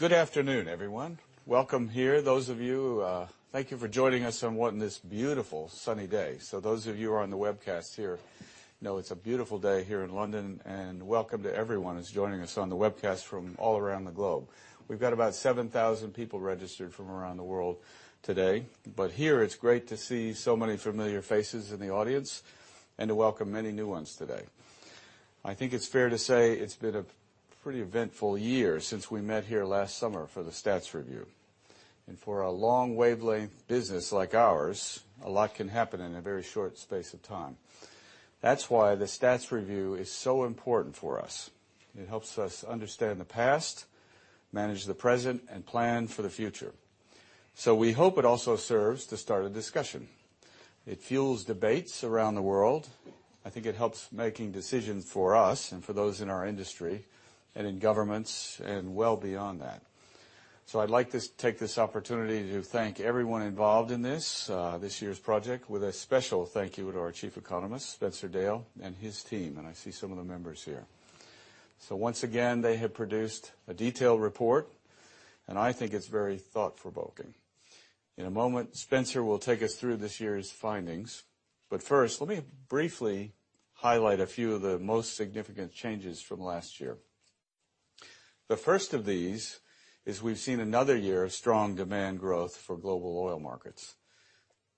Good afternoon, everyone. Welcome here. Those of you, thank you for joining us on this beautiful sunny day. Those of you who are on the webcast here know it's a beautiful day here in London, and welcome to everyone who's joining us on the webcast from all around the globe. We've got about 7,000 people registered from around the world today. Here, it's great to see so many familiar faces in the audience and to welcome many new ones today. I think it's fair to say it's been a pretty eventful year since we met here last summer for the Stats Review. For a long wavelength business like ours, a lot can happen in a very short space of time. That's why the Stats Review is so important for us. It helps us understand the past, manage the present, and plan for the future. We hope it also serves to start a discussion. It fuels debates around the world. I think it helps making decisions for us and for those in our industry and in governments and well beyond that. I'd like to take this opportunity to thank everyone involved in this year's project, with a special thank you to our Chief Economist, Spencer Dale, and his team. I see some of the members here. Once again, they have produced a detailed report, and I think it's very thought-provoking. In a moment, Spencer will take us through this year's findings. First, let me briefly highlight a few of the most significant changes from last year. The first of these is we've seen another year of strong demand growth for global oil markets.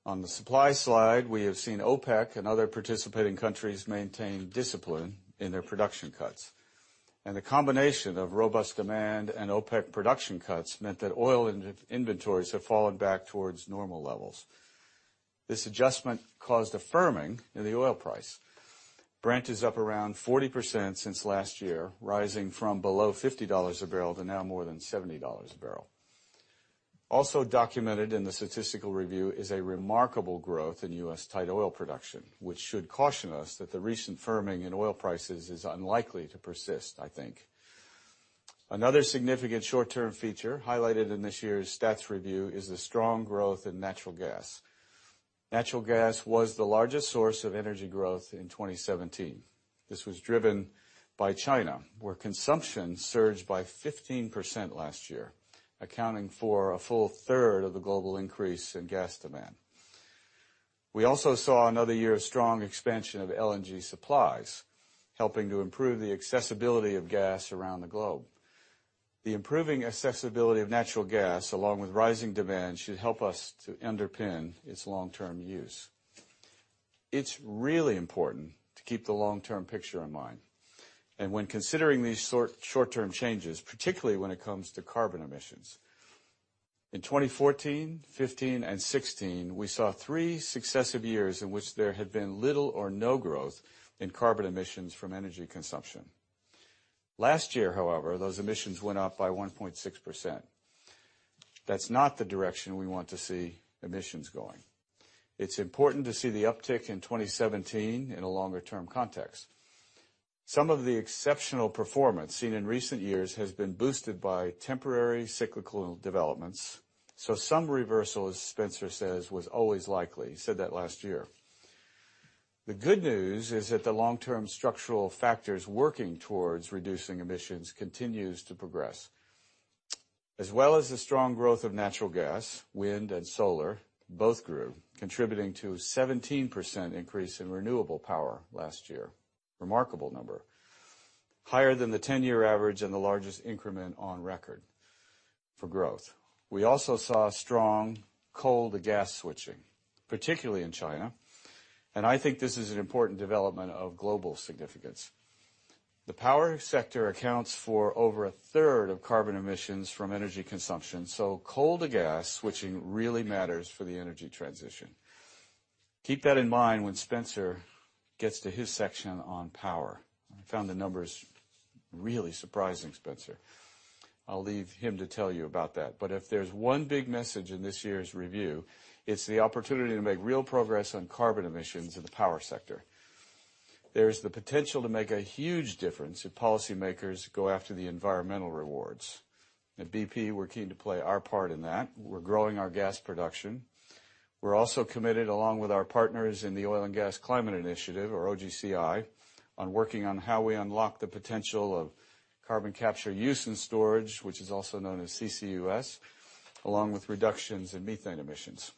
On the supply side, we have seen OPEC and other participating countries maintain discipline in their production cuts. The combination of robust demand and OPEC production cuts meant that oil in inventories have fallen back towards normal levels. This adjustment caused a firming in the oil price. Brent is up around 40% since last year, rising from below $50 a barrel to now more than $70 a barrel. Also documented in the Statistical Review of World Energy is a remarkable growth in U.S. tight oil production, which should caution us that the recent firming in oil prices is unlikely to persist, I think. Another significant short-term feature highlighted in this year's Stats Review is the strong growth in natural gas. Natural gas was the largest source of energy growth in 2017. This was driven by China, where consumption surged by 15% last year, accounting for a full third of the global increase in gas demand. We also saw another year of strong expansion of LNG supplies, helping to improve the accessibility of gas around the globe. The improving accessibility of natural gas, along with rising demand, should help us to underpin its long-term use. It's really important to keep the long-term picture in mind when considering these short-term changes, particularly when it comes to carbon emissions. In 2014, 2015, and 2016, we saw three successive years in which there had been little or no growth in carbon emissions from energy consumption. Last year, however, those emissions went up by 1.6%. That's not the direction we want to see emissions going. It's important to see the uptick in 2017 in a longer-term context. Some of the exceptional performance seen in recent years has been boosted by temporary cyclical developments, some reversal, as Spencer says, was always likely. He said that last year. The good news is that the long-term structural factors working towards reducing emissions continues to progress. As well as the strong growth of natural gas, wind and solar both grew, contributing to a 17% increase in renewable power last year. Remarkable number. Higher than the 10-year average and the largest increment on record for growth. We also saw strong coal to gas switching, particularly in China, I think this is an important development of global significance. The power sector accounts for over a third of carbon emissions from energy consumption, coal to gas switching really matters for the energy transition. Keep that in mind when Spencer gets to his section on power. I found the numbers really surprising, Spencer. I'll leave him to tell you about that. If there's one big message in this year's review, it's the opportunity to make real progress on carbon emissions in the power sector. There is the potential to make a huge difference if policymakers go after the environmental rewards. At BP, we're keen to play our part in that. We're growing our gas production. We're also committed, along with our partners in the Oil and Gas Climate Initiative, or OGCI, on working on how we unlock the potential of carbon capture use and storage, which is also known as CCUS, along with reductions in methane emissions.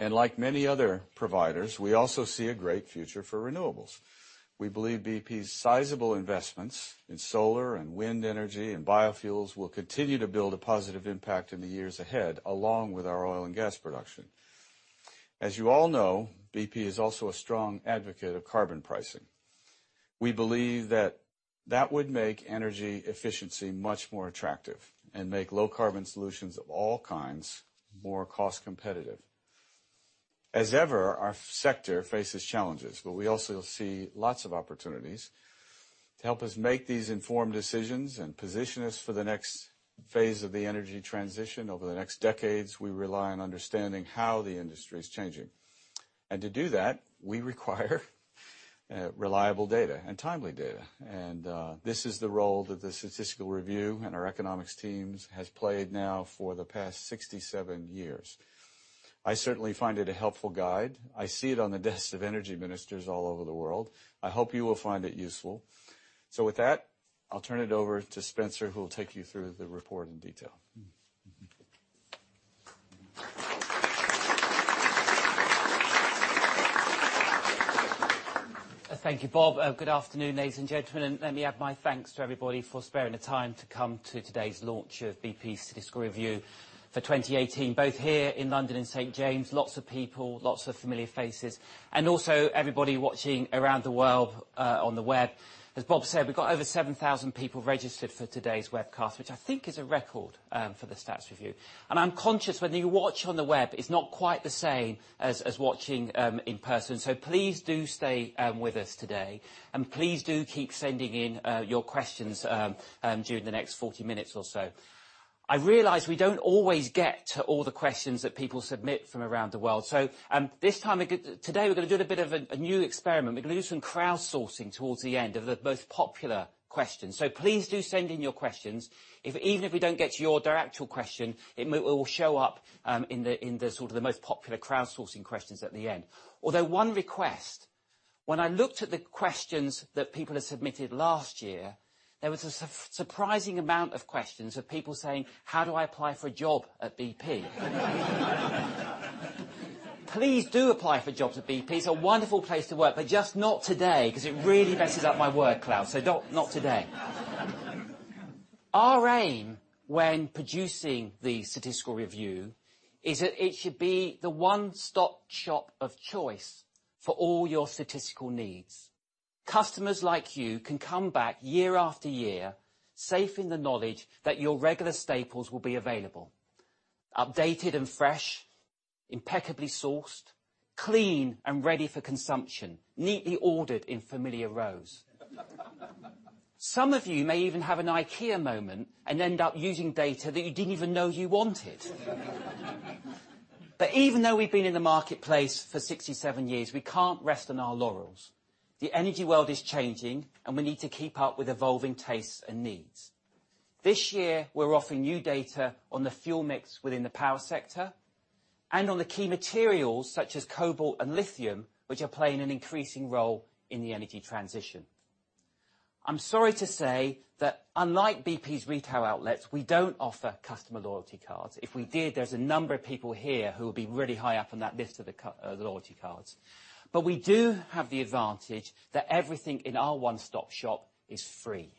Like many other providers, we also see a great future for renewables. We believe BP's sizable investments in solar and wind energy and biofuels will continue to build a positive impact in the years ahead, along with our oil and gas production. As you all know, BP is also a strong advocate of carbon pricing. We believe that that would make energy efficiency much more attractive and make low carbon solutions of all kinds more cost competitive. As ever, our sector faces challenges, but we also see lots of opportunities to help us make these informed decisions and position us for the next phase of the energy transition over the next decades, we rely on understanding how the industry is changing. To do that, we require reliable data and timely data. This is the role that the statistical review and our economics teams has played now for the past 67 years. I certainly find it a helpful guide. I see it on the desks of energy ministers all over the world. I hope you will find it useful. With that, I'll turn it over to Spencer, who will take you through the report in detail. Thank you, Bob. Good afternoon, ladies and gentlemen. Let me add my thanks to everybody for sparing the time to come to today's launch of BP Statistical Review for 2018, both here in London in St. James, lots of people, lots of familiar faces, and also everybody watching around the world, on the web. As Bob said, we've got over 7,000 people registered for today's webcast, which I think is a record for the Stats Review. I'm conscious when you watch on the web, it's not quite the same as watching in person. Please do stay with us today, and please do keep sending in your questions during the next 40 minutes or so. I realize we don't always get to all the questions that people submit from around the world. This time, today we're going to do a bit of a new experiment. We're going to do some crowdsourcing towards the end of the most popular questions. Please do send in your questions. If even if we don't get to your direct actual question, it will show up in the sort of the most popular crowdsourcing questions at the end. Although, one request, when I looked at the questions that people had submitted last year, there was a surprising amount of questions of people saying, "How do I apply for a job at BP?" Please do apply for jobs at BP. It's a wonderful place to work, but just not today because it really messes up my word cloud. Not today. Our aim when producing the Statistical Review is that it should be the one-stop shop of choice for all your statistical needs. Customers like you can come back year after year, safe in the knowledge that your regular staples will be available, updated and fresh, impeccably sourced, clean and ready for consumption, neatly ordered in familiar rows. Some of you may even have an IKEA moment and end up using data that you didn't even know you wanted. Even though we've been in the marketplace for 67 years, we can't rest on our laurels. The energy world is changing, we need to keep up with evolving tastes and needs. This year we're offering new data on the fuel mix within the power sector and on the key materials such as cobalt and lithium, which are playing an increasing role in the energy transition. I'm sorry to say that unlike BP's retail outlets, we don't offer customer loyalty cards. If we did, there's a number of people here who would be really high up on that list of the loyalty cards. We do have the advantage that everything in our one-stop shop is free.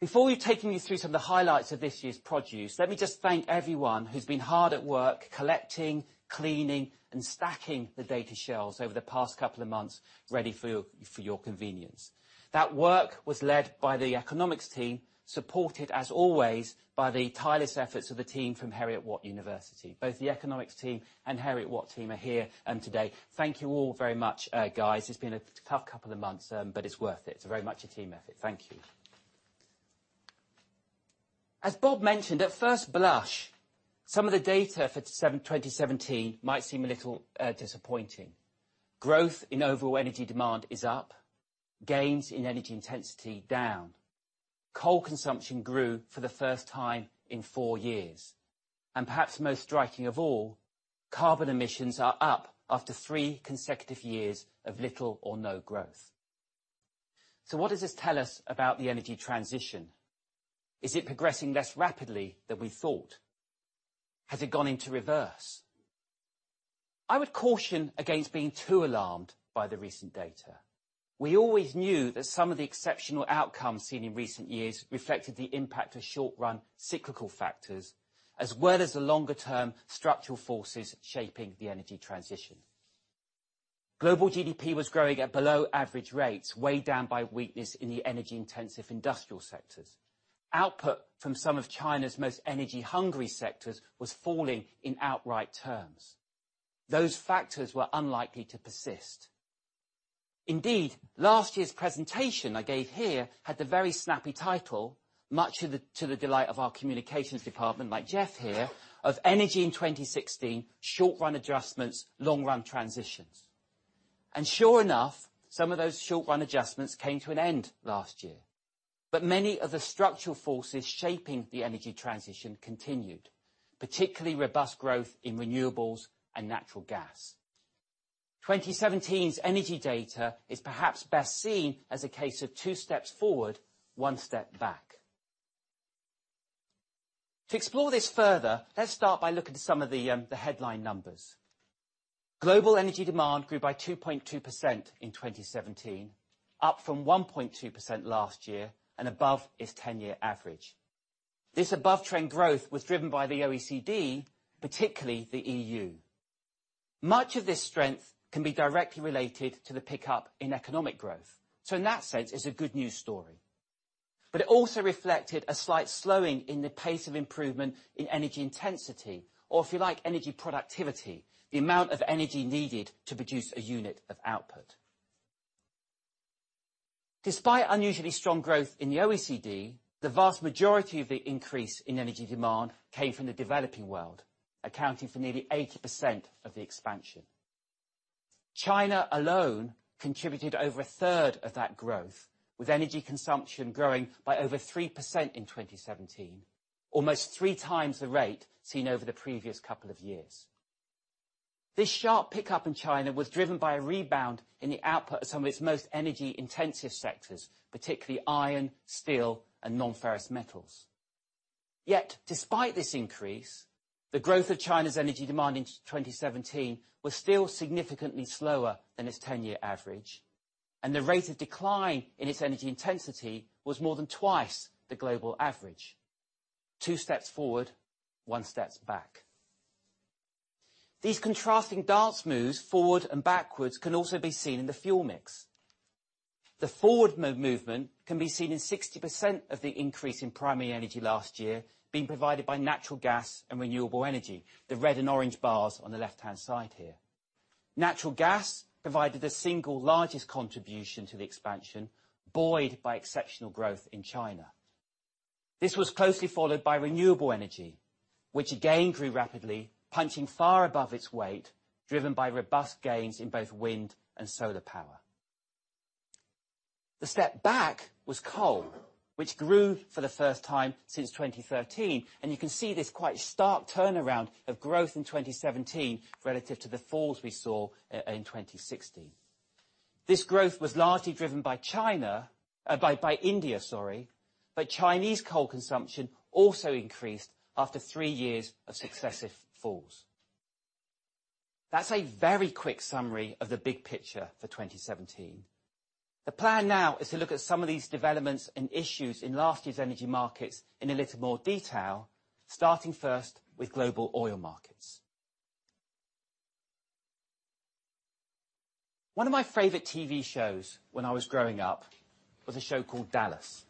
Before we take you through some of the highlights of this year's produce, let me just thank everyone who's been hard at work collecting, cleaning, and stacking the data shelves over the past couple of months ready for your convenience. That work was led by the economics team, supported as always, by the tireless efforts of the team from Heriot-Watt University. Both the economics team and Heriot-Watt team are here today. Thank you all very much, guys. It's been a tough couple of months, it's worth it. It's very much a team effort. Thank you. As Bob mentioned, at first blush, some of the data for 2017 might seem a little disappointing. Growth in overall energy demand is up, gains in energy intensity down. Coal consumption grew for the first time in four years. Perhaps most striking of all, carbon emissions are up after three consecutive years of little or no growth. What does this tell us about the energy transition? Is it progressing less rapidly than we thought? Has it gone into reverse? I would caution against being too alarmed by the recent data. We always knew that some of the exceptional outcomes seen in recent years reflected the impact of short-run cyclical factors, as well as the longer-term structural forces shaping the energy transition. Global GDP was growing at below average rates, weighed down by weakness in the energy-intensive industrial sectors. Output from some of China's most energy-hungry sectors was falling in outright terms. Those factors were unlikely to persist. Indeed, last year's presentation I gave here had the very snappy title, much to the delight of our communications department, like Geoff here, of Energy in 2016: Short-Run Adjustments, Long-Run Transitions. Sure enough, some of those short-run adjustments came to an end last year. Many of the structural forces shaping the energy transition continued, particularly robust growth in renewables and natural gas. 2017's energy data is perhaps best seen as a case of two steps forward, one step back. To explore this further, let's start by looking at some of the headline numbers. Global energy demand grew by 2.2% in 2017, up from 1.2% last year and above its 10-year average. This above-trend growth was driven by the OECD, particularly the EU. Much of this strength can be directly related to the pickup in economic growth. In that sense, it's a good news story. It also reflected a slight slowing in the pace of improvement in energy intensity, or if you like, energy productivity, the amount of energy needed to produce a unit of output. Despite unusually strong growth in the OECD, the vast majority of the increase in energy demand came from the developing world, accounting for nearly 80% of the expansion. China alone contributed over a third of that growth, with energy consumption growing by over 3% in 2017, almost three times the rate seen over the previous couple of years. This sharp pickup in China was driven by a rebound in the output of some of its most energy-intensive sectors, particularly iron, steel, and non-ferrous metals. Despite this increase, the growth of China's energy demand in 2017 was still significantly slower than its 10-year average, and the rate of decline in its energy intensity was more than twice the global average. Two steps forward, one step back. These contrasting dance moves, forward and backwards, can also be seen in the fuel mix. The forward movement can be seen in 60% of the increase in primary energy last year being provided by natural gas and renewable energy, the red and orange bars on the left-hand side here. Natural gas provided the single largest contribution to the expansion, buoyed by exceptional growth in China. This was closely followed by renewable energy, which again grew rapidly, punching far above its weight, driven by robust gains in both wind and solar power. The step back was coal, which grew for the first time since 2013. You can see this quite stark turnaround of growth in 2017 relative to the falls we saw in 2016. This growth was largely driven by China, by India, sorry. Chinese coal consumption also increased after three years of successive falls. That's a very quick summary of the big picture for 2017. The plan now is to look at some of these developments and issues in last year's energy markets in a little more detail, starting first with global oil markets. One of my favorite TV shows when I was growing up was a show called "Dallas."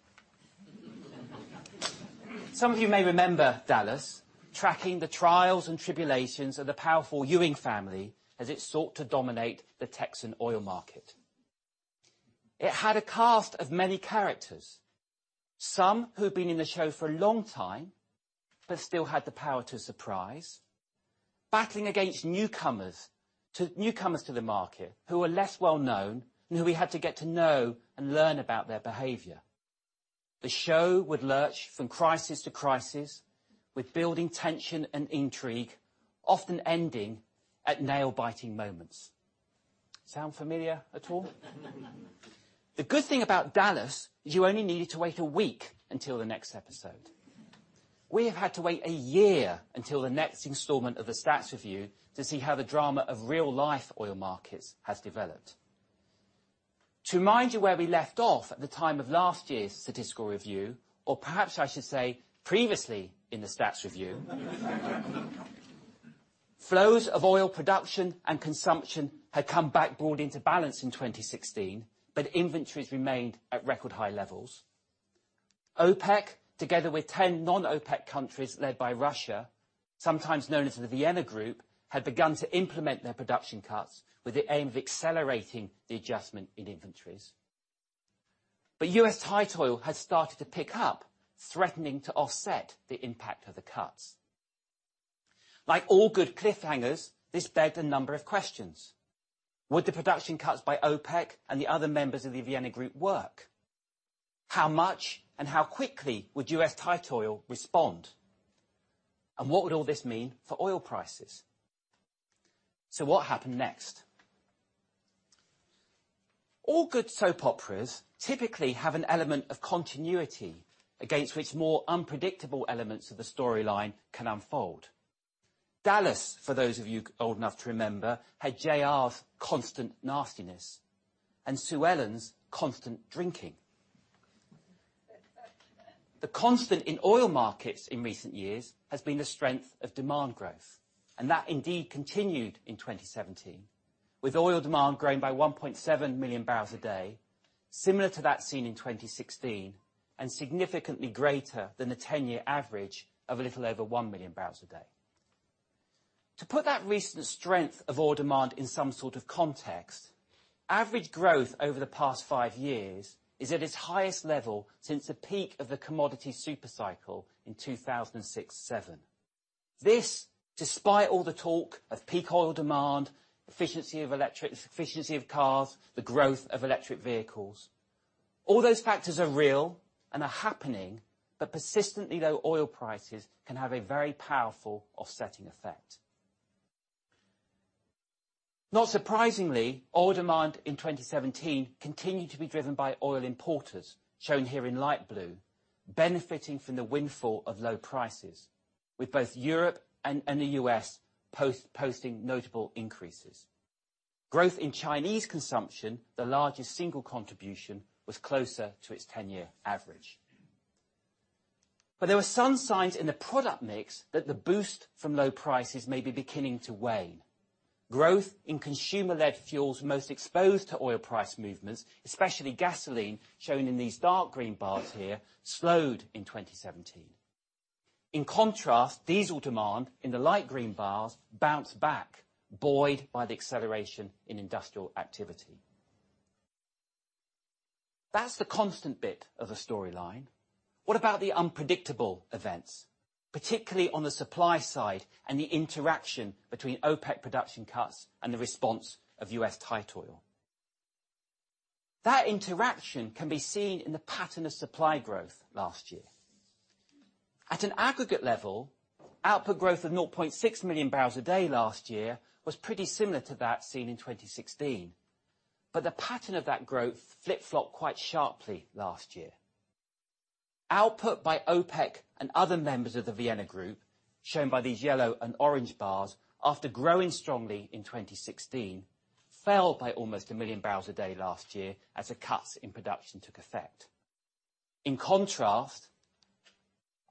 Some of you may remember "Dallas," tracking the trials and tribulations of the powerful Ewing family as it sought to dominate the Texan oil market. It had a cast of many characters, some who had been in the show for a long time, but still had the power to surprise. Battling against newcomers to the market who were less well-known, and who we had to get to know and learn about their behavior. The show would lurch from crisis to crisis, with building tension and intrigue, often ending at nail-biting moments. Sound familiar at all? The good thing about "Dallas," is you only needed to wait a week until the next episode. We have had to wait a year until the next installment of the Stats Review to see how the drama of real life oil markets has developed. To remind you where we left off at the time of last year's Statistical Review, or perhaps I should say previously in the Stats Review. Flows of oil production and consumption had come back broad into balance in 2016. Inventories remained at record high levels. OPEC, together with 10 non-OPEC countries led by Russia, sometimes known as the Vienna Group, had begun to implement their production cuts with the aim of accelerating the adjustment in inventories. U.S. tight oil had started to pick up, threatening to offset the impact of the cuts. Like all good cliffhangers, this begged a number of questions. Would the production cuts by OPEC and the other members of the Vienna Group work? How much and how quickly would U.S. tight oil respond? What would all this mean for oil prices? What happened next? All good soap operas typically have an element of continuity, against which more unpredictable elements of the storyline can unfold. Dallas," for those of you old enough to remember, had J.R.'s constant nastiness and Sue Ellen's constant drinking. The constant in oil markets in recent years has been the strength of demand growth. That indeed continued in 2017, with oil demand growing by 1.7 million barrels a day, similar to that seen in 2016, and significantly greater than the 10-year average of a little over 1 million barrels a day. To put that recent strength of oil demand in some sort of context, average growth over the past five years is at its highest level since the peak of the commodity super cycle in 2006-2007. This, despite all the talk of peak oil demand, efficiency of electric, efficiency of cars, the growth of electric vehicles. All those factors are real and are happening. Persistently, though oil prices can have a very powerful offsetting effect. Not surprisingly, oil demand in 2017 continued to be driven by oil importers, shown here in light blue, benefiting from the windfall of low prices, with both Europe and the U.S. posting notable increases. Growth in Chinese consumption, the largest single contribution, was closer to its 10-year average. There were some signs in the product mix that the boost from low prices may be beginning to wane. Growth in consumer-led fuels most exposed to oil price movements, especially gasoline, shown in these dark green bars here, slowed in 2017. In contrast, diesel demand, in the light green bars, bounced back, buoyed by the acceleration in industrial activity. That's the constant bit of the storyline. What about the unpredictable events, particularly on the supply side and the interaction between OPEC production cuts and the response of U.S. tight oil? That interaction can be seen in the pattern of supply growth last year. At an aggregate level, output growth of 0.6 million barrels a day last year was pretty similar to that seen in 2016. The pattern of that growth flip-flopped quite sharply last year. Output by OPEC and other members of the Vienna group, shown by these yellow and orange bars, after growing strongly in 2016, fell by almost a million barrels a day last year as the cuts in production took effect. In contrast,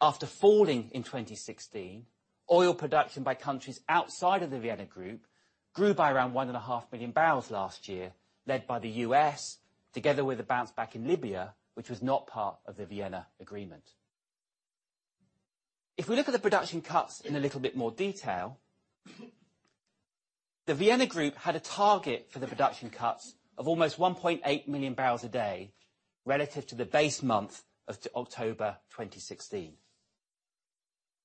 after falling in 2016, oil production by countries outside of the Vienna group grew by around one and a half million barrels last year, led by the U.S. together with a bounce back in Libya, which was not part of the Vienna agreement. If we look at the production cuts in a little bit more detail, the Vienna group had a target for the production cuts of almost 1.8 million barrels a day relative to the base month of October 2016.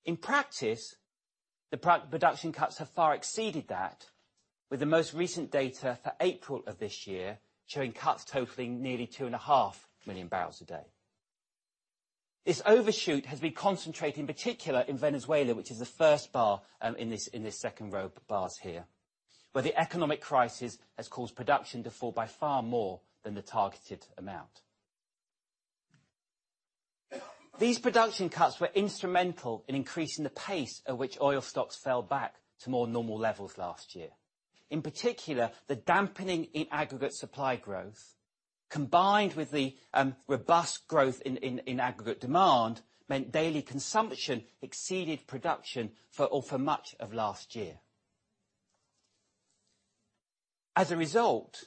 In practice, the production cuts have far exceeded that, with the most recent data for April of this year showing cuts totaling nearly two and a half million barrels a day. This overshoot has been concentrated in particular in Venezuela, which is the first bar in this second row of bars here, where the economic crisis has caused production to fall by far more than the targeted amount. These production cuts were instrumental in increasing the pace at which oil stocks fell back to more normal levels last year. In particular, the dampening in aggregate supply growth, combined with the robust growth in aggregate demand, meant daily consumption exceeded production for much of last year. As a result,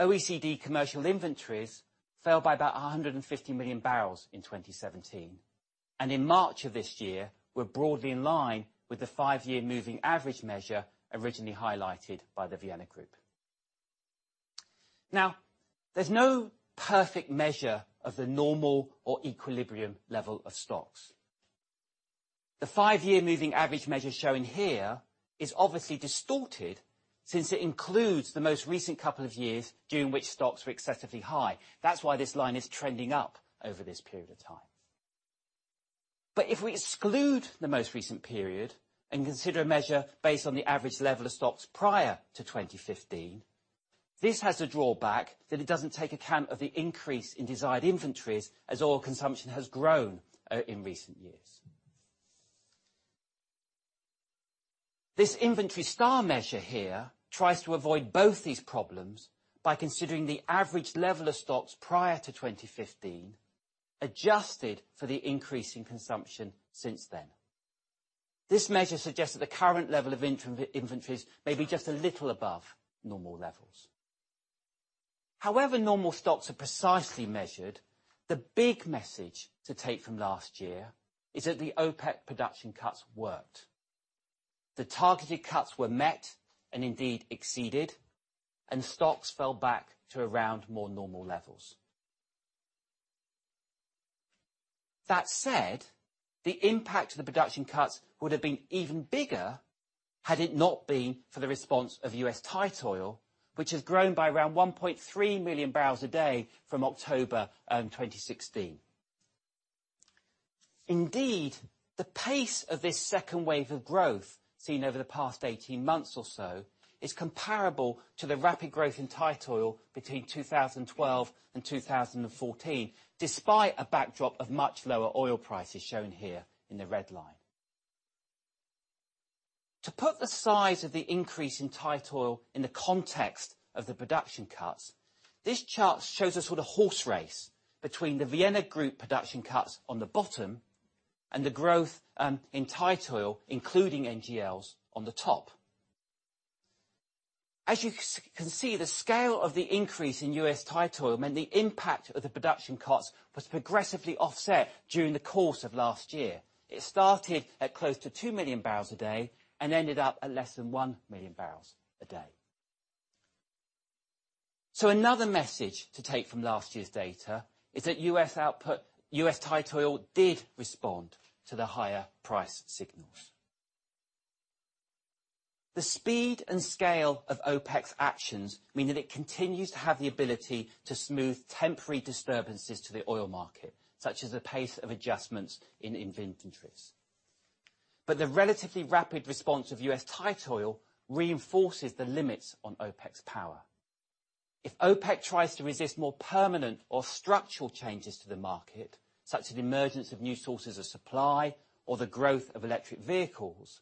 OECD commercial inventories fell by about 150 million barrels in 2017, and in March of this year were broadly in line with the five-year moving average measure originally highlighted by the Vienna group. Now, there's no perfect measure of the normal or equilibrium level of stocks. The five-year moving average measure shown here is obviously distorted since it includes the most recent couple of years during which stocks were excessively high. That's why this line is trending up over this period of time. If we exclude the most recent period and consider a measure based on the average level of stocks prior to 2015. This has a drawback that it doesn't take account of the increase in desired inventories as oil consumption has grown in recent years. This inventory star measure here tries to avoid both these problems by considering the average level of stocks prior to 2015, adjusted for the increase in consumption since then. This measure suggests that the current level of inventories may be just a little above normal levels. However normal stocks are precisely measured. The big message to take from last year is that the OPEC production cuts worked. The targeted cuts were met and indeed exceeded, and stocks fell back to around more normal levels. That said, the impact of the production cuts would have been even bigger had it not been for the response of U.S. tight oil, which has grown by around 1.3 million barrels a day from October 2016. Indeed, the pace of this second wave of growth seen over the past 18 months or so is comparable to the rapid growth in tight oil between 2012 and 2014, despite a backdrop of much lower oil prices shown here in the red line. To put the size of the increase in tight oil in the context of the production cuts, this chart shows a sort of horse race between the Vienna group production cuts on the bottom, and the growth in tight oil, including NGLs, on the top. As you can see, the scale of the increase in U.S. tight oil meant the impact of the production cuts was progressively offset during the course of last year. It started at close to two million barrels a day and ended up at less than one million barrels a day. Another message to take from last year's data is that U.S. tight oil did respond to the higher price signals. The speed and scale of OPEC's actions mean that it continues to have the ability to smooth temporary disturbances to the oil market, such as the pace of adjustments in inventories. The relatively rapid response of U.S. tight oil reinforces the limits on OPEC's power. If OPEC tries to resist more permanent or structural changes to the market, such as emergence of new sources of supply or the growth of electric vehicles,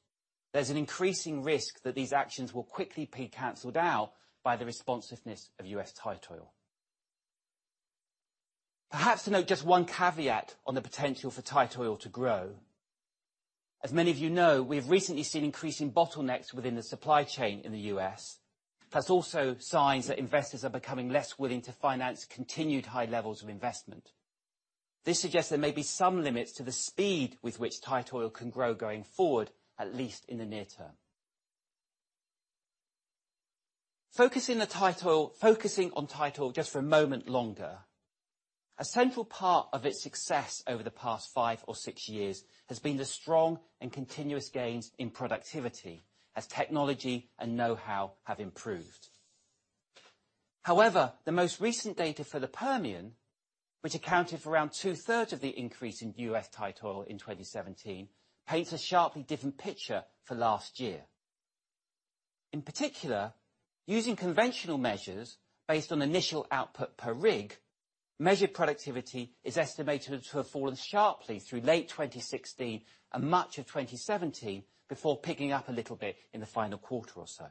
there's an increasing risk that these actions will quickly be canceled out by the responsiveness of U.S. tight oil. Perhaps to note just one caveat on the potential for tight oil to grow. As many of you know, we've recently seen increasing bottlenecks within the supply chain in the U.S. There's also signs that investors are becoming less willing to finance continued high levels of investment. This suggests there may be some limits to the speed with which tight oil can grow going forward, at least in the near term. Focusing on tight oil just for a moment longer, a central part of its success over the past five or six years has been the strong and continuous gains in productivity as technology and know-how have improved. However, the most recent data for the Permian, which accounted for around two-thirds of the increase in U.S. tight oil in 2017, paints a sharply different picture for last year. In particular, using conventional measures based on initial output per rig, measured productivity is estimated to have fallen sharply through late 2016 and much of 2017, before picking up a little bit in the final quarter or so.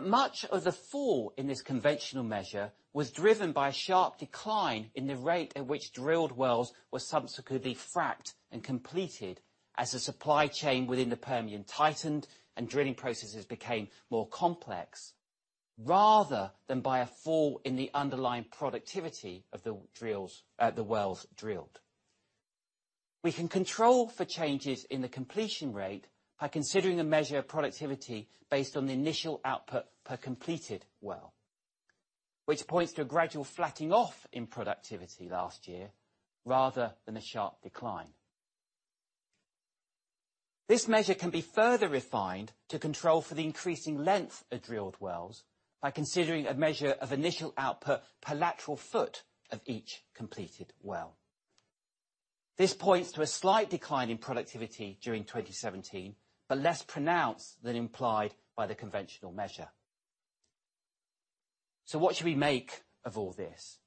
Much of the fall in this conventional measure was driven by a sharp decline in the rate at which drilled wells were subsequently fracked and completed as the supply chain within the Permian tightened and drilling processes became more complex, rather than by a fall in the underlying productivity of the wells drilled. We can control for changes in the completion rate by considering a measure of productivity based on the initial output per completed well, which points to a gradual flattening off in productivity last year, rather than a sharp decline. This measure can be further refined to control for the increasing length of drilled wells by considering a measure of initial output per lateral foot of each completed well. This points to a slight decline in productivity during 2017, but less pronounced than implied by the conventional measure. What should we make of all this?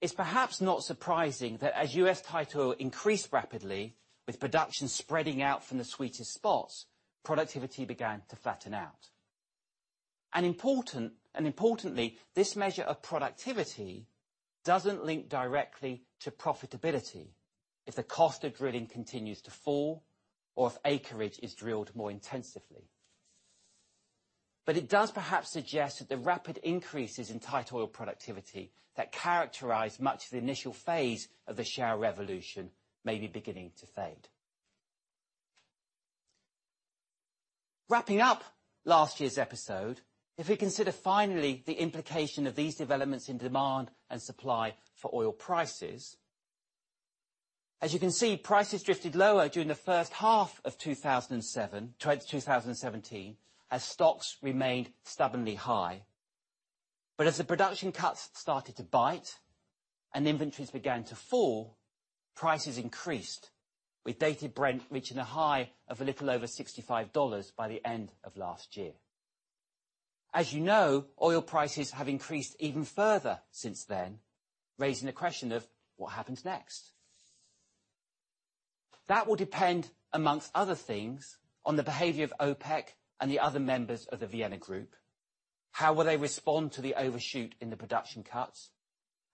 It's perhaps not surprising that as U.S. tight oil increased rapidly, with production spreading out from the sweetest spots, productivity began to flatten out. Importantly, this measure of productivity doesn't link directly to profitability if the cost of drilling continues to fall or if acreage is drilled more intensively. It does perhaps suggest that the rapid increases in tight oil productivity that characterized much of the initial phase of the shale revolution may be beginning to fade. Wrapping up last year's episode, if we consider finally the implication of these developments in demand and supply for oil prices, as you can see, prices drifted lower during the first half of 2017, as stocks remained stubbornly high. As the production cuts started to bite and inventories began to fall, prices increased, with Dated Brent reaching a high of a little over $65 by the end of last year. As you know, oil prices have increased even further since then, raising the question of what happens next. That will depend, amongst other things, on the behavior of OPEC and the other members of the Vienna group. How will they respond to the overshoot in the production cuts,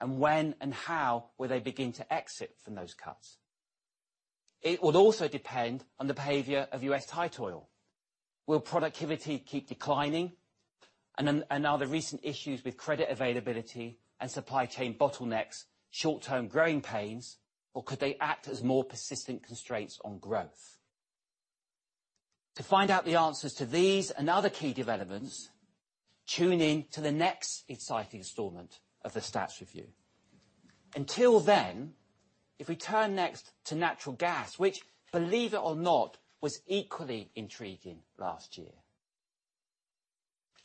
and when and how will they begin to exit from those cuts? It would also depend on the behavior of U.S. tight oil. Will productivity keep declining? Are the recent issues with credit availability and supply chain bottlenecks short-term growing pains, or could they act as more persistent constraints on growth? To find out the answers to these and other key developments, tune in to the next exciting installment of the Stats Review. Until then, if we turn next to natural gas, which, believe it or not, was equally intriguing last year.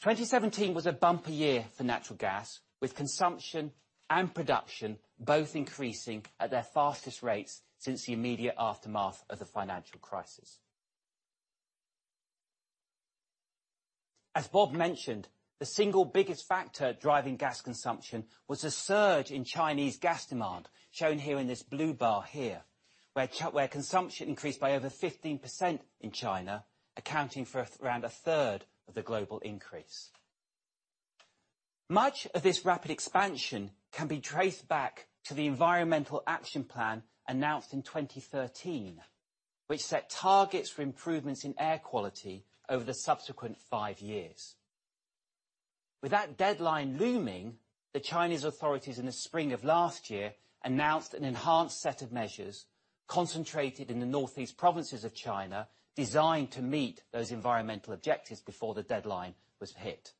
2017 was a bumper year for natural gas, with consumption and production both increasing at their fastest rates since the immediate aftermath of the financial crisis. As Bob mentioned, the single biggest factor driving gas consumption was a surge in Chinese gas demand, shown here in this blue bar here, where consumption increased by over 15% in China, accounting for around a third of the global increase. Much of this rapid expansion can be traced back to the environmental action plan announced in 2013, which set targets for improvements in air quality over the subsequent five years. With that deadline looming, the Chinese authorities in the spring of last year announced an enhanced set of measures concentrated in the northeast provinces of China, designed to meet those environmental objectives before the deadline was hit.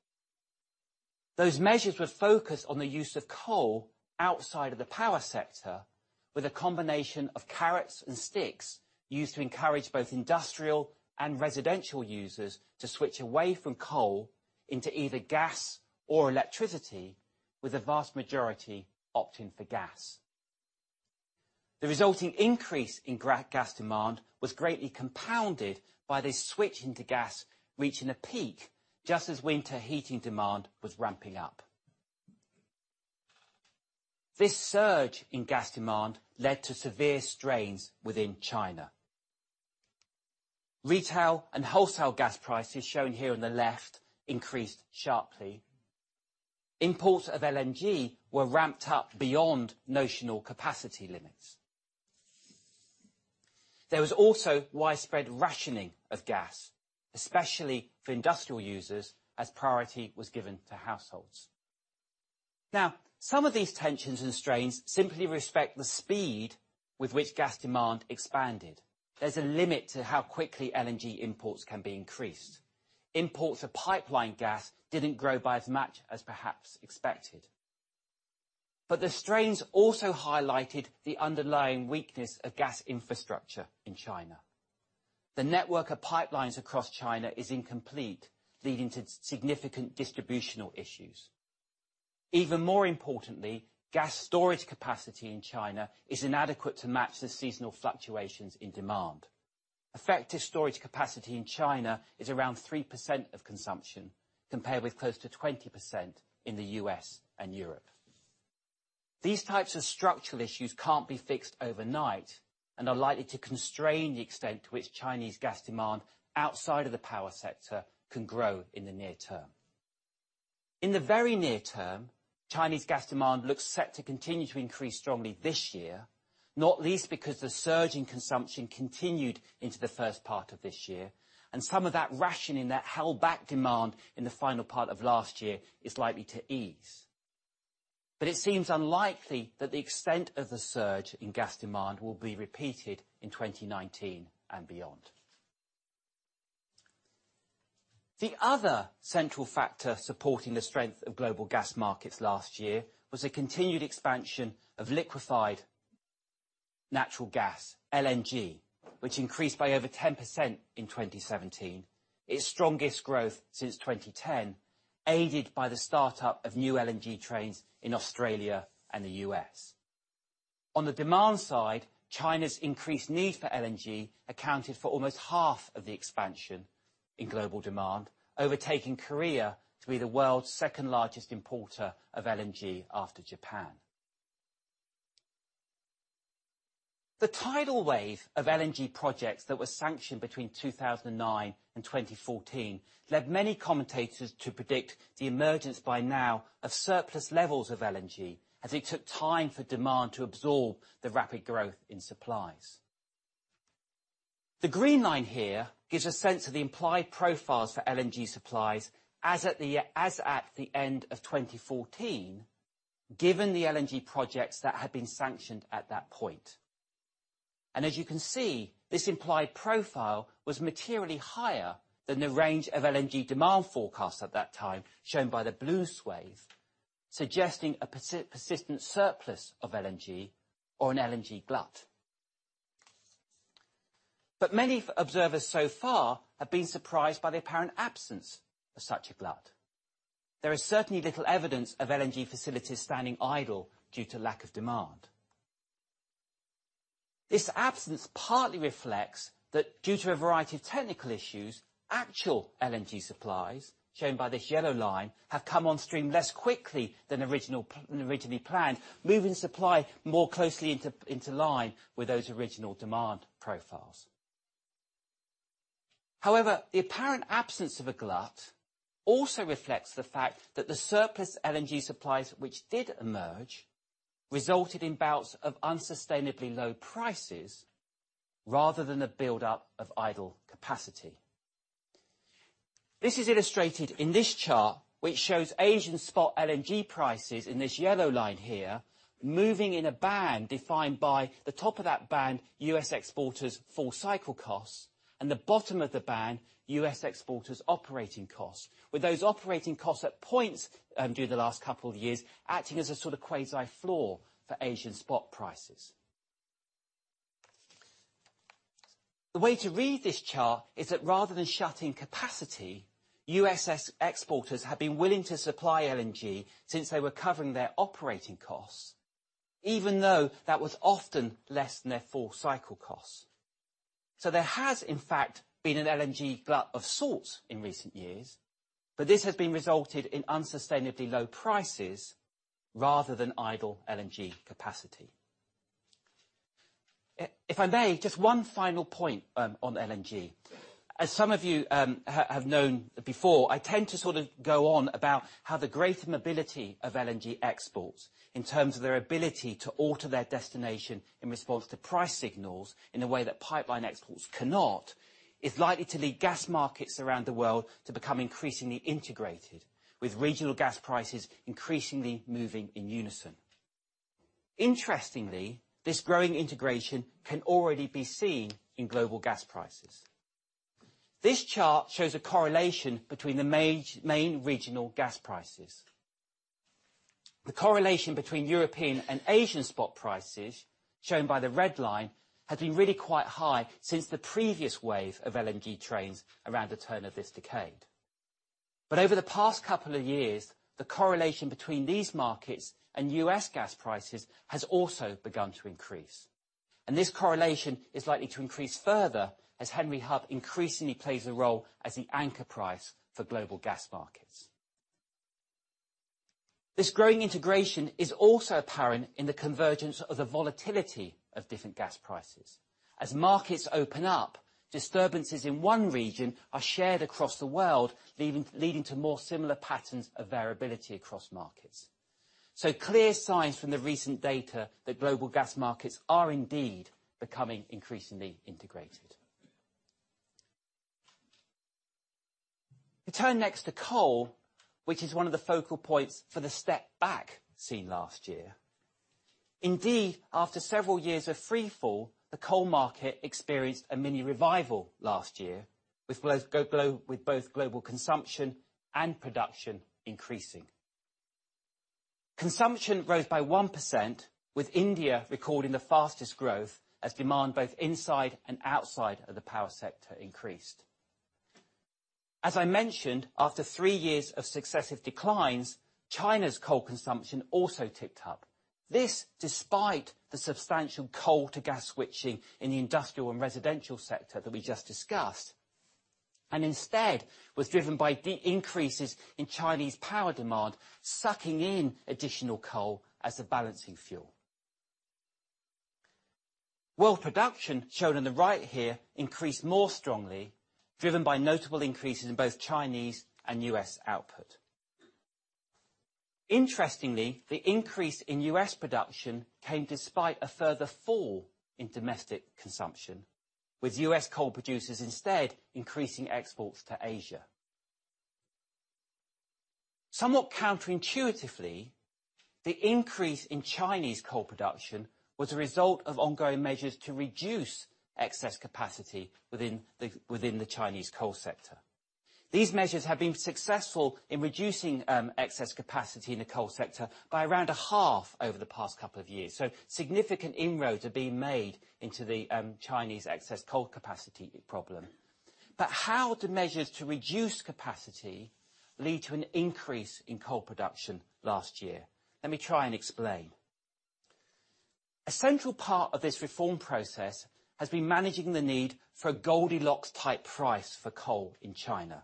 Those measures were focused on the use of coal outside of the power sector, with a combination of carrots and sticks used to encourage both industrial and residential users to switch away from coal into either gas or electricity, with a vast majority opting for gas. The resulting increase in gas demand was greatly compounded by this switch into gas, reaching a peak just as winter heating demand was ramping up. This surge in gas demand led to severe strains within China. Retail and wholesale gas prices, shown here on the left, increased sharply. Imports of LNG were ramped up beyond notional capacity limits. There was also widespread rationing of gas, especially for industrial users, as priority was given to households. Some of these tensions and strains simply respect the speed with which gas demand expanded. There's a limit to how quickly LNG imports can be increased. Imports of pipeline gas didn't grow by as much as perhaps expected. The strains also highlighted the underlying weakness of gas infrastructure in China. The network of pipelines across China is incomplete, leading to significant distributional issues. Even more importantly, gas storage capacity in China is inadequate to match the seasonal fluctuations in demand. Effective storage capacity in China is around 3% of consumption, compared with close to 20% in the U.S. and Europe. These types of structural issues can't be fixed overnight and are likely to constrain the extent to which Chinese gas demand outside of the power sector can grow in the near term. In the very near term, Chinese gas demand looks set to continue to increase strongly this year, not least because the surge in consumption continued into the first part of this year, and some of that rationing that held back demand in the final part of last year is likely to ease. It seems unlikely that the extent of the surge in gas demand will be repeated in 2019 and beyond. The other central factor supporting the strength of global gas markets last year was a continued expansion of liquefied natural gas, LNG. Which increased by over 10% in 2017, its strongest growth since 2010, aided by the start-up of new LNG trains in Australia and the U.S. On the demand side, China's increased need for LNG accounted for almost half of the expansion in global demand, overtaking Korea to be the world's second-largest importer of LNG after Japan. The tidal wave of LNG projects that were sanctioned between 2009 and 2014 led many commentators to predict the emergence by now of surplus levels of LNG as it took time for demand to absorb the rapid growth in supplies. The green line here gives a sense of the implied profiles for LNG supplies as at the end of 2014, given the LNG projects that had been sanctioned at that point. This implied profile was materially higher than the range of LNG demand forecast at that time, shown by the blue swathe, suggesting a persistent surplus of LNG or an LNG glut. Many observers so far have been surprised by the apparent absence of such a glut. There is certainly little evidence of LNG facilities standing idle due to lack of demand. This absence partly reflects that, due to a variety of technical issues, actual LNG supplies, shown by this yellow line, have come on stream less quickly than originally planned, moving supply more closely into line with those original demand profiles. However, the apparent absence of a glut also reflects the fact that the surplus LNG supplies which did emerge resulted in bouts of unsustainably low prices rather than the buildup of idle capacity. This is illustrated in this chart, which shows Asian spot LNG prices in this yellow line here, moving in a band defined by the top of that band, U.S. exporters' full cycle costs, and the bottom of the band, U.S. exporters' operating costs. With those operating costs at points during the last couple of years acting as a sort of quasi-floor for Asian spot prices. The way to read this chart is that rather than shutting capacity, U.S. exporters have been willing to supply LNG since they were covering their operating costs, even though that was often less than their full cycle costs. There has in fact been an LNG glut of sorts in recent years, but this has been resulted in unsustainably low prices rather than idle LNG capacity. If I may, just one final point on LNG. As some of you have known before, I tend to sort of go on about how the greater mobility of LNG exports, in terms of their ability to alter their destination in response to price signals in a way that pipeline exports cannot, is likely to lead gas markets around the world to become increasingly integrated, with regional gas prices increasingly moving in unison. Interestingly, this growing integration can already be seen in global gas prices. This chart shows a correlation between the main regional gas prices. The correlation between European and Asian spot prices, shown by the red line, has been really quite high since the previous wave of LNG trains around the turn of this decade. Over the past couple of years, the correlation between these markets and U.S. gas prices has also begun to increase, and this correlation is likely to increase further as Henry Hub increasingly plays a role as the anchor price for global gas markets. This growing integration is also apparent in the convergence of the volatility of different gas prices. As markets open up, disturbances in one region are shared across the world, leading to more similar patterns of variability across markets. clear signs from the recent data that global gas markets are indeed becoming increasingly integrated. We turn next to coal, which is one of the focal points for the step back seen last year. Indeed, after several years of free fall, the coal market experienced a mini revival last year with both global consumption and production increasing. Consumption rose by 1%, with India recording the fastest growth as demand both inside and outside of the power sector increased. As I mentioned, after three years of successive declines, China's coal consumption also ticked up. This, despite the substantial coal to gas switching in the industrial and residential sector that we just discussed, and instead was driven by the increases in Chinese power demand, sucking in additional coal as the balancing fuel. World production, shown on the right here, increased more strongly, driven by notable increases in both Chinese and U.S. output. Interestingly, the increase in U.S. production came despite a further fall in domestic consumption, with U.S. coal producers instead increasing exports to Asia. Somewhat counterintuitively, the increase in Chinese coal production was a result of ongoing measures to reduce excess capacity within the Chinese coal sector. These measures have been successful in reducing excess capacity in the coal sector by around a half over the past couple of years. Significant inroads are being made into the Chinese excess coal capacity problem. But how do measures to reduce capacity lead to an increase in coal production last year? Let me try and explain. A central part of this reform process has been managing the need for a Goldilocks-type price for coal in China.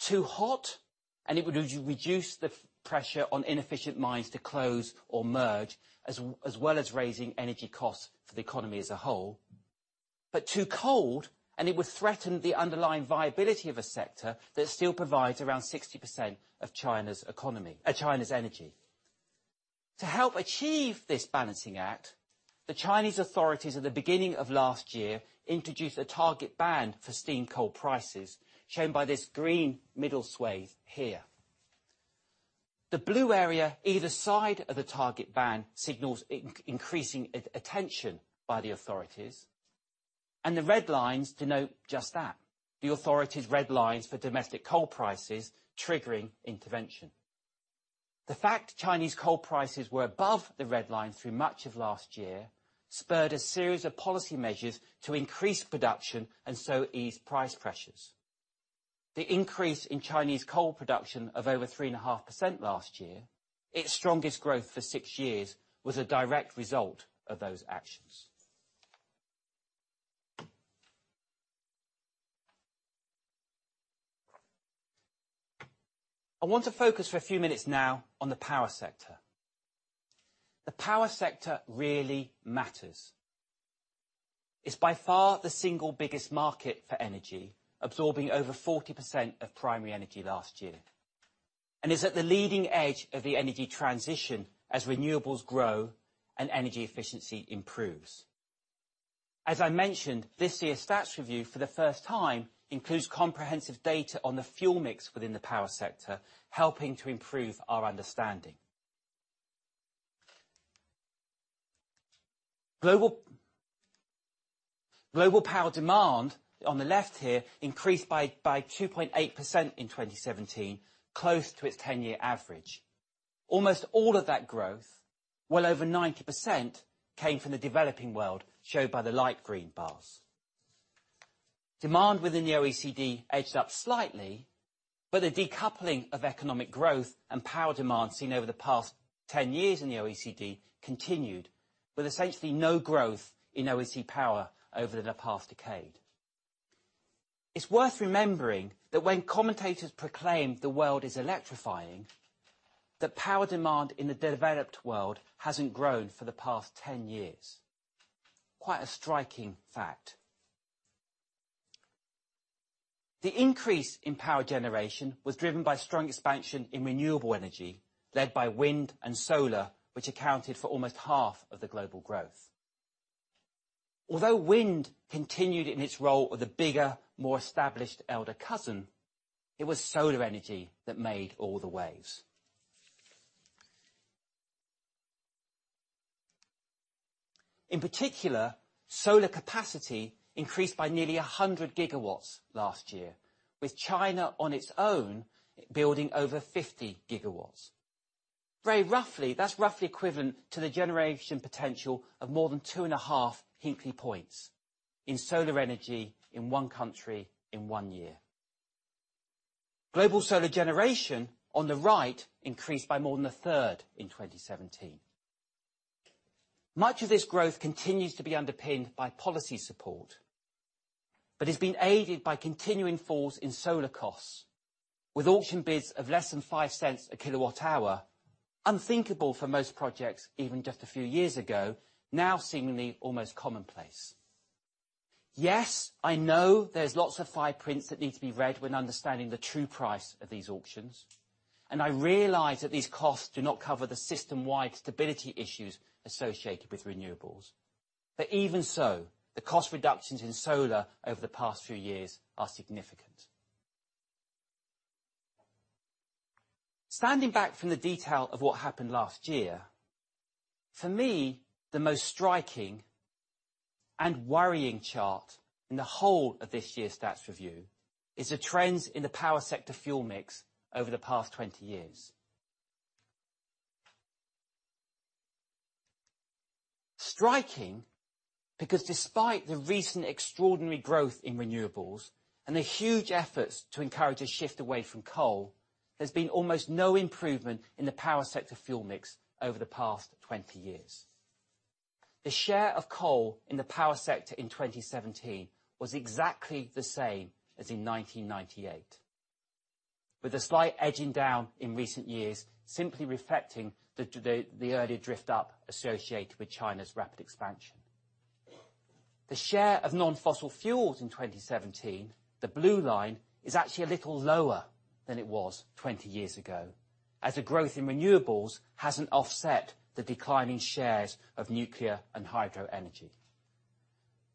Too hot, and it would reduce the pressure on inefficient mines to close or merge, as well as raising energy costs for the economy as a whole. Too cold, and it would threaten the underlying viability of a sector that still provides around 60% of China's energy. To help achieve this balancing act, the Chinese authorities at the beginning of last year introduced a target band for steam coal prices, shown by this green middle swathe here. The blue area either side of the target band signals increasing attention by the authorities, and the red lines denote just that, the authorities' red lines for domestic coal prices triggering intervention. The fact Chinese coal prices were above the red line through much of last year spurred a series of policy measures to increase production and so ease price pressures. The increase in Chinese coal production of over 3.5% last year, its strongest growth for six years, was a direct result of those actions. I want to focus for a few minutes now on the power sector. The power sector really matters. It's by far the single biggest market for energy, absorbing over 40% of primary energy last year, and is at the leading edge of the energy transition as renewables grow and energy efficiency improves. As I mentioned, this year's Stats Review for the first time includes comprehensive data on the fuel mix within the power sector, helping to improve our understanding. Global power demand on the left here increased by 2.8% in 2017, close to its 10-year average. Almost all of that growth, well over 90%, came from the developing world, shown by the light green bars. Demand within the OECD edged up slightly. The decoupling of economic growth and power demand seen over the past 10 years in the OECD continued with essentially no growth in OECD power over the past decade. It's worth remembering that when commentators proclaim the world is electrifying, that power demand in the developed world hasn't grown for the past 10 years. Quite a striking fact. The increase in power generation was driven by strong expansion in renewable energy led by wind and solar, which accounted for almost half of the global growth. Although wind continued in its role of the bigger, more established elder cousin, it was solar energy that made all the waves. In particular, solar capacity increased by nearly 100 gigawatts last year, with China on its own building over 50 gigawatts. Very roughly, that's roughly equivalent to the generation potential of more than two and a half Hinkley Points in solar energy in one country in one year. Global solar generation, on the right, increased by more than a third in 2017. Much of this growth continues to be underpinned by policy support. It's been aided by continuing falls in solar costs. With auction bids of less than $0.05 a kilowatt hour, unthinkable for most projects even just a few years ago, now seemingly almost commonplace. Yes, I know there's lots of fine print that need to be read when understanding the true price of these auctions. I realize that these costs do not cover the system-wide stability issues associated with renewables. Even so, the cost reductions in solar over the past few years are significant. Standing back from the detail of what happened last year, for me, the most striking and worrying chart in the whole of this year's Stats Review is the trends in the power sector fuel mix over the past 20 years. Striking, because despite the recent extraordinary growth in renewables and the huge efforts to encourage a shift away from coal, there's been almost no improvement in the power sector fuel mix over the past 20 years. The share of coal in the power sector in 2017 was exactly the same as in 1998, with a slight edging down in recent years simply reflecting the early drift up associated with China's rapid expansion. The share of non-fossil fuels in 2017, the blue line, is actually a little lower than it was 20 years ago, as the growth in renewables hasn't offset the declining shares of nuclear and hydro energy.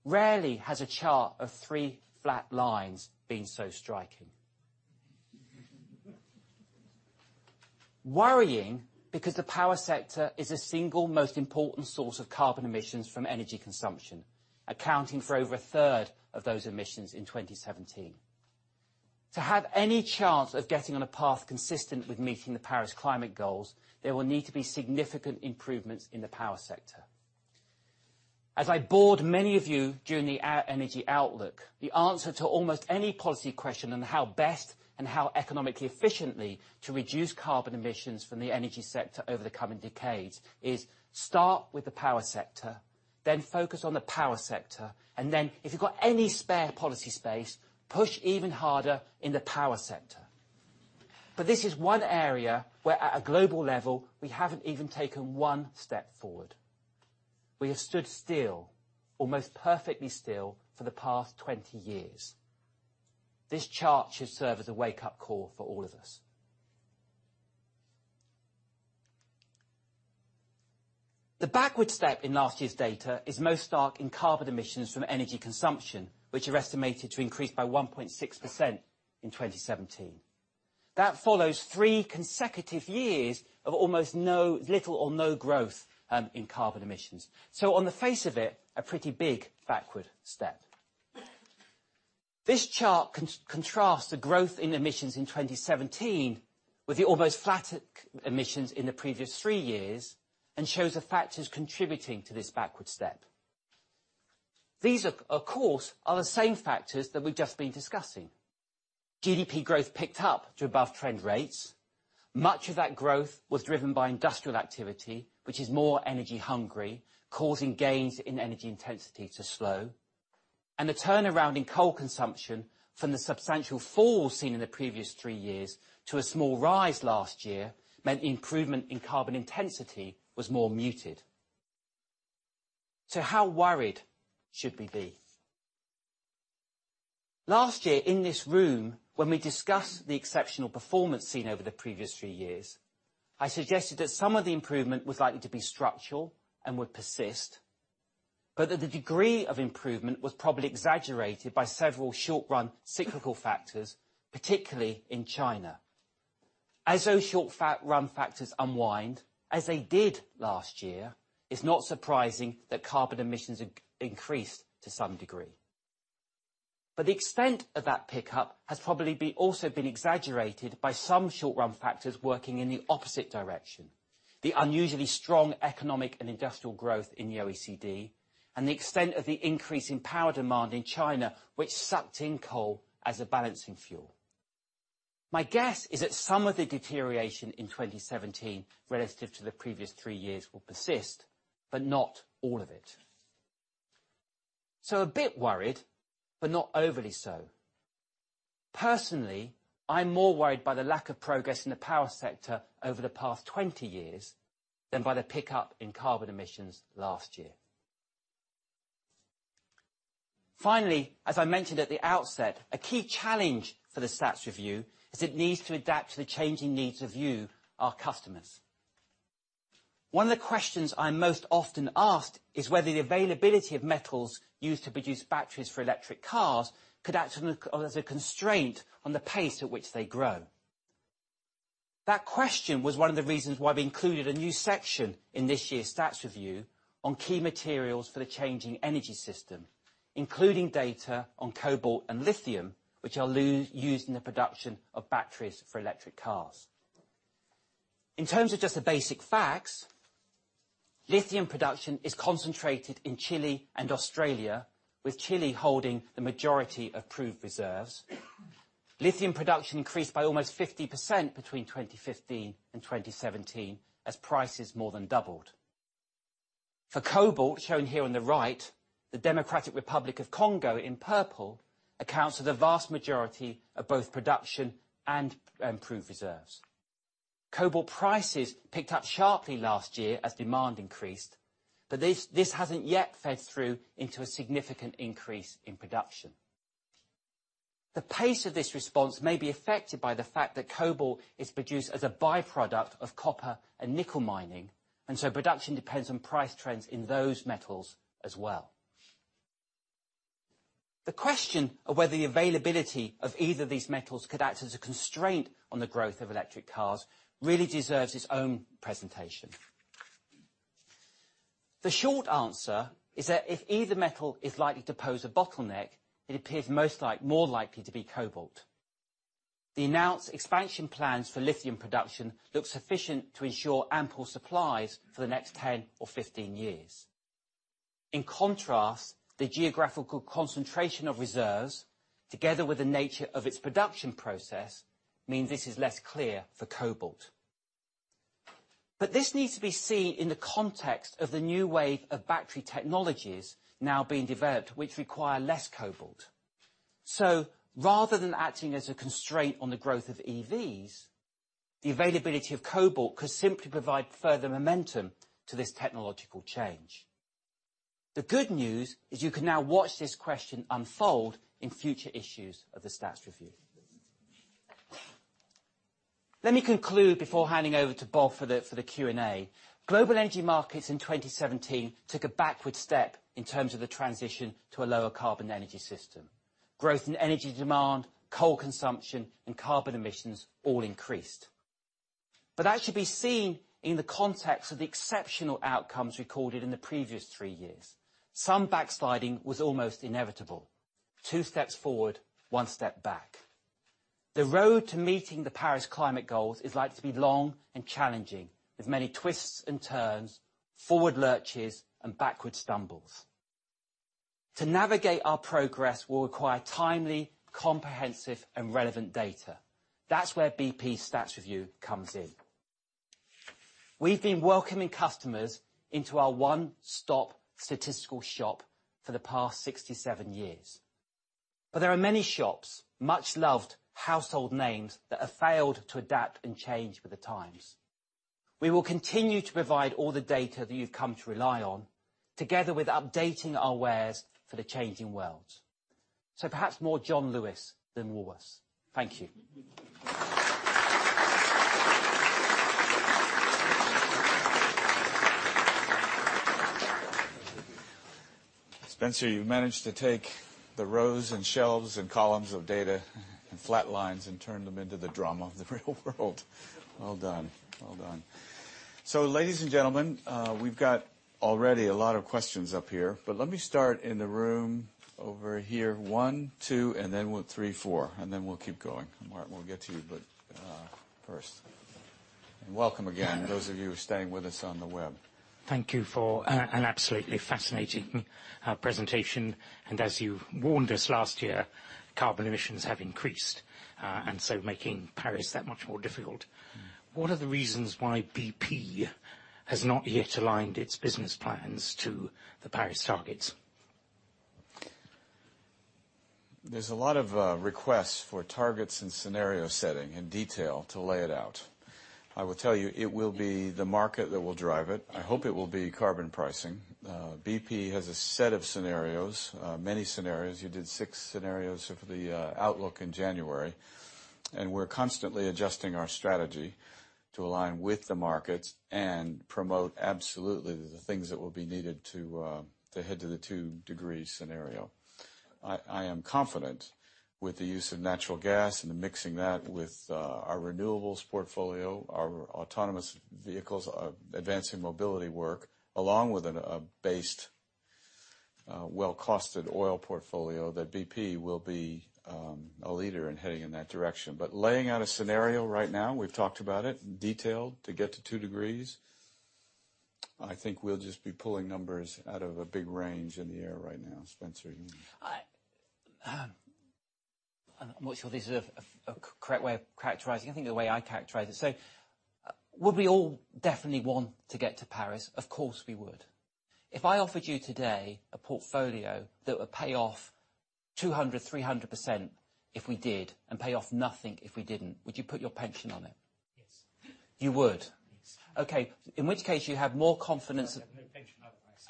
Rarely has a chart of three flat lines been so striking. Worrying, because the power sector is the single most important source of carbon emissions from energy consumption, accounting for over a third of those emissions in 2017. To have any chance of getting on a path consistent with meeting the Paris climate goals, there will need to be significant improvements in the power sector. As I bored many of you during the Energy Outlook, the answer to almost any policy question on how best and how economically efficiently to reduce carbon emissions from the energy sector over the coming decades is start with the power sector, focus on the power sector, and if you've got any spare policy space, push even harder in the power sector. This is one area where, at a global level, we haven't even taken one step forward. We have stood still, almost perfectly still, for the past 20 years. This chart should serve as a wake-up call for all of us. The backward step in last year's data is most stark in carbon emissions from energy consumption, which are estimated to increase by 1.6% in 2017. That follows three consecutive years of almost little or no growth in carbon emissions. On the face of it, a pretty big backward step. This chart contrasts the growth in emissions in 2017 with the almost flat emissions in the previous three years and shows the factors contributing to this backward step. These, of course, are the same factors that we've just been discussing. GDP growth picked up to above trend rates. Much of that growth was driven by industrial activity, which is more energy hungry, causing gains in energy intensity to slow. The turnaround in coal consumption from the substantial fall seen in the previous three years to a small rise last year meant the improvement in carbon intensity was more muted. How worried should we be? Last year, in this room, when we discussed the exceptional performance seen over the previous three years, I suggested that some of the improvement was likely to be structural and would persist, but that the degree of improvement was probably exaggerated by several short-run cyclical factors, particularly in China. As those short-run factors unwind, as they did last year, it's not surprising that carbon emissions increased to some degree. The extent of that pickup has probably also been exaggerated by some short-run factors working in the opposite direction. The unusually strong economic and industrial growth in the OECD and the extent of the increase in power demand in China, which sucked in coal as a balancing fuel. My guess is that some of the deterioration in 2017 relative to the previous three years will persist, but not all of it. A bit worried, but not overly so. Personally, I'm more worried by the lack of progress in the power sector over the past 20 years than by the pickup in carbon emissions last year. Finally, as I mentioned at the outset, a key challenge for the Stats Review is it needs to adapt to the changing needs of you, our customers. One of the questions I'm most often asked is whether the availability of metals used to produce batteries for electric cars could act as a constraint on the pace at which they grow. That question was one of the reasons why we included a new section in this year's Stats Review on key materials for the changing energy system, including data on cobalt and lithium, which are used in the production of batteries for electric cars. In terms of just the basic facts, lithium production is concentrated in Chile and Australia, with Chile holding the majority of proved reserves. Lithium production increased by almost 50% between 2015 and 2017 as prices more than doubled. For cobalt, shown here on the right, the Democratic Republic of Congo, in purple, accounts for the vast majority of both production and proved reserves. Cobalt prices picked up sharply last year as demand increased, but this hasn't yet fed through into a significant increase in production. The pace of this response may be affected by the fact that cobalt is produced as a byproduct of copper and nickel mining. Production depends on price trends in those metals as well. The question of whether the availability of either of these metals could act as a constraint on the growth of electric cars really deserves its own presentation. The short answer is that if either metal is likely to pose a bottleneck, it appears more likely to be cobalt. The announced expansion plans for lithium production look sufficient to ensure ample supplies for the next 10 or 15 years. In contrast, the geographical concentration of reserves, together with the nature of its production process, means this is less clear for cobalt. This needs to be seen in the context of the new wave of battery technologies now being developed, which require less cobalt. Rather than acting as a constraint on the growth of EVs, the availability of cobalt could simply provide further momentum to this technological change. The good news is you can now watch this question unfold in future issues of the "Stats Review." Let me conclude before handing over to Bob for the Q&A. Global energy markets in 2017 took a backward step in terms of the transition to a lower carbon energy system. Growth in energy demand, coal consumption, and carbon emissions all increased. That should be seen in the context of the exceptional outcomes recorded in the previous three years. Some backsliding was almost inevitable. Two steps forward, one step back. The road to meeting the Paris climate goals is likely to be long and challenging, with many twists and turns, forward lurches, and backward stumbles. To navigate our progress will require timely, comprehensive, and relevant data. That's where BP "Stats Review" comes in. We've been welcoming customers into our one-stop statistical shop for the past 67 years. There are many shops, much-loved household names, that have failed to adapt and change with the times. We will continue to provide all the data that you've come to rely on, together with updating our wares for the changing world. Perhaps more John Lewis than Woolworths. Thank you. Spencer, you've managed to take the rows and shelves and columns of data and flat lines and turn them into the drama of the real world. Well done. Ladies and gentlemen, we've got already a lot of questions up here, but let me start in the room over here, one, two, and then three, four, and then we'll keep going. Martijn, we'll get to you, but first. Welcome again, those of you staying with us on the web. Thank you for an absolutely fascinating presentation. As you warned us last year, carbon emissions have increased, making Paris that much more difficult. What are the reasons why BP has not yet aligned its business plans to the Paris targets? There's a lot of requests for targets and scenario setting and detail to lay it out. I will tell you, it will be the market that will drive it. I hope it will be carbon pricing. BP has a set of scenarios, many scenarios. You did 6 scenarios of the Outlook in January. We're constantly adjusting our strategy to align with the markets and promote absolutely the things that will be needed to head to the two-degree scenario. I am confident with the use of natural gas and mixing that with our renewables portfolio, our autonomous vehicles, our advancing mobility work, along with a based well-costed oil portfolio, that BP will be a leader in heading in that direction. Laying out a scenario right now, we've talked about it in detail to get to two degrees. I think we'll just be pulling numbers out of a big range in the air right now. Spencer? I'm not sure this is a correct way of characterizing it. I think the way I characterize it. Would we all definitely want to get to Paris? Of course, we would. If I offered you today a portfolio that would pay off 200%-300% if we did, and pay off nothing if we didn't, would you put your pension on it? Yes. You would? Yes. Okay. In which case, you have more confidence. I have no pension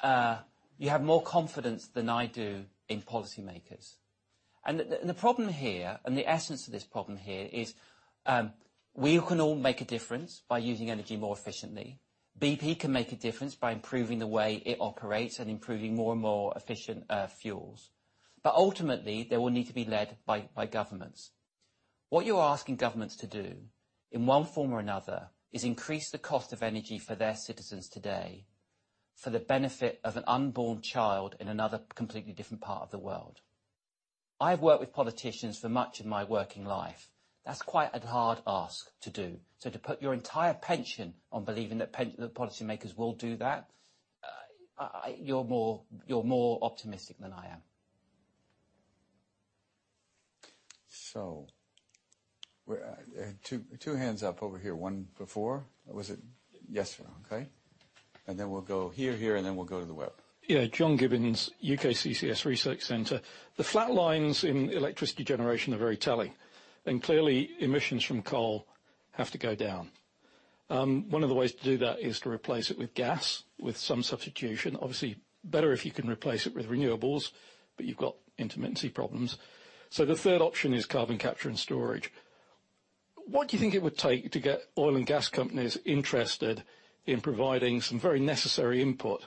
otherwise. You have more confidence than I do in policymakers. The problem here, and the essence of this problem here is, we can all make a difference by using energy more efficiently. BP can make a difference by improving the way it operates and improving more and more efficient fuels. Ultimately, they will need to be led by governments. What you're asking governments to do, in one form or another, is increase the cost of energy for their citizens today for the benefit of an unborn child in another completely different part of the world. I've worked with politicians for much of my working life. That's quite a hard ask to do. To put your entire pension on believing that policymakers will do that, you're more optimistic than I am. Two hands up over here. One before. Was it? Yes, sir. Okay. Then we'll go here, and then we'll go to the web. Yeah. Jon Gibbins, UKCCS Research Centre. The flat lines in electricity generation are very telling. Clearly, emissions from coal have to go down. One of the ways to do that is to replace it with gas, with some substitution. Obviously, better if you can replace it with renewables, but you've got intermittency problems. The third option is carbon capture and storage. What do you think it would take to get oil and gas companies interested in providing some very necessary input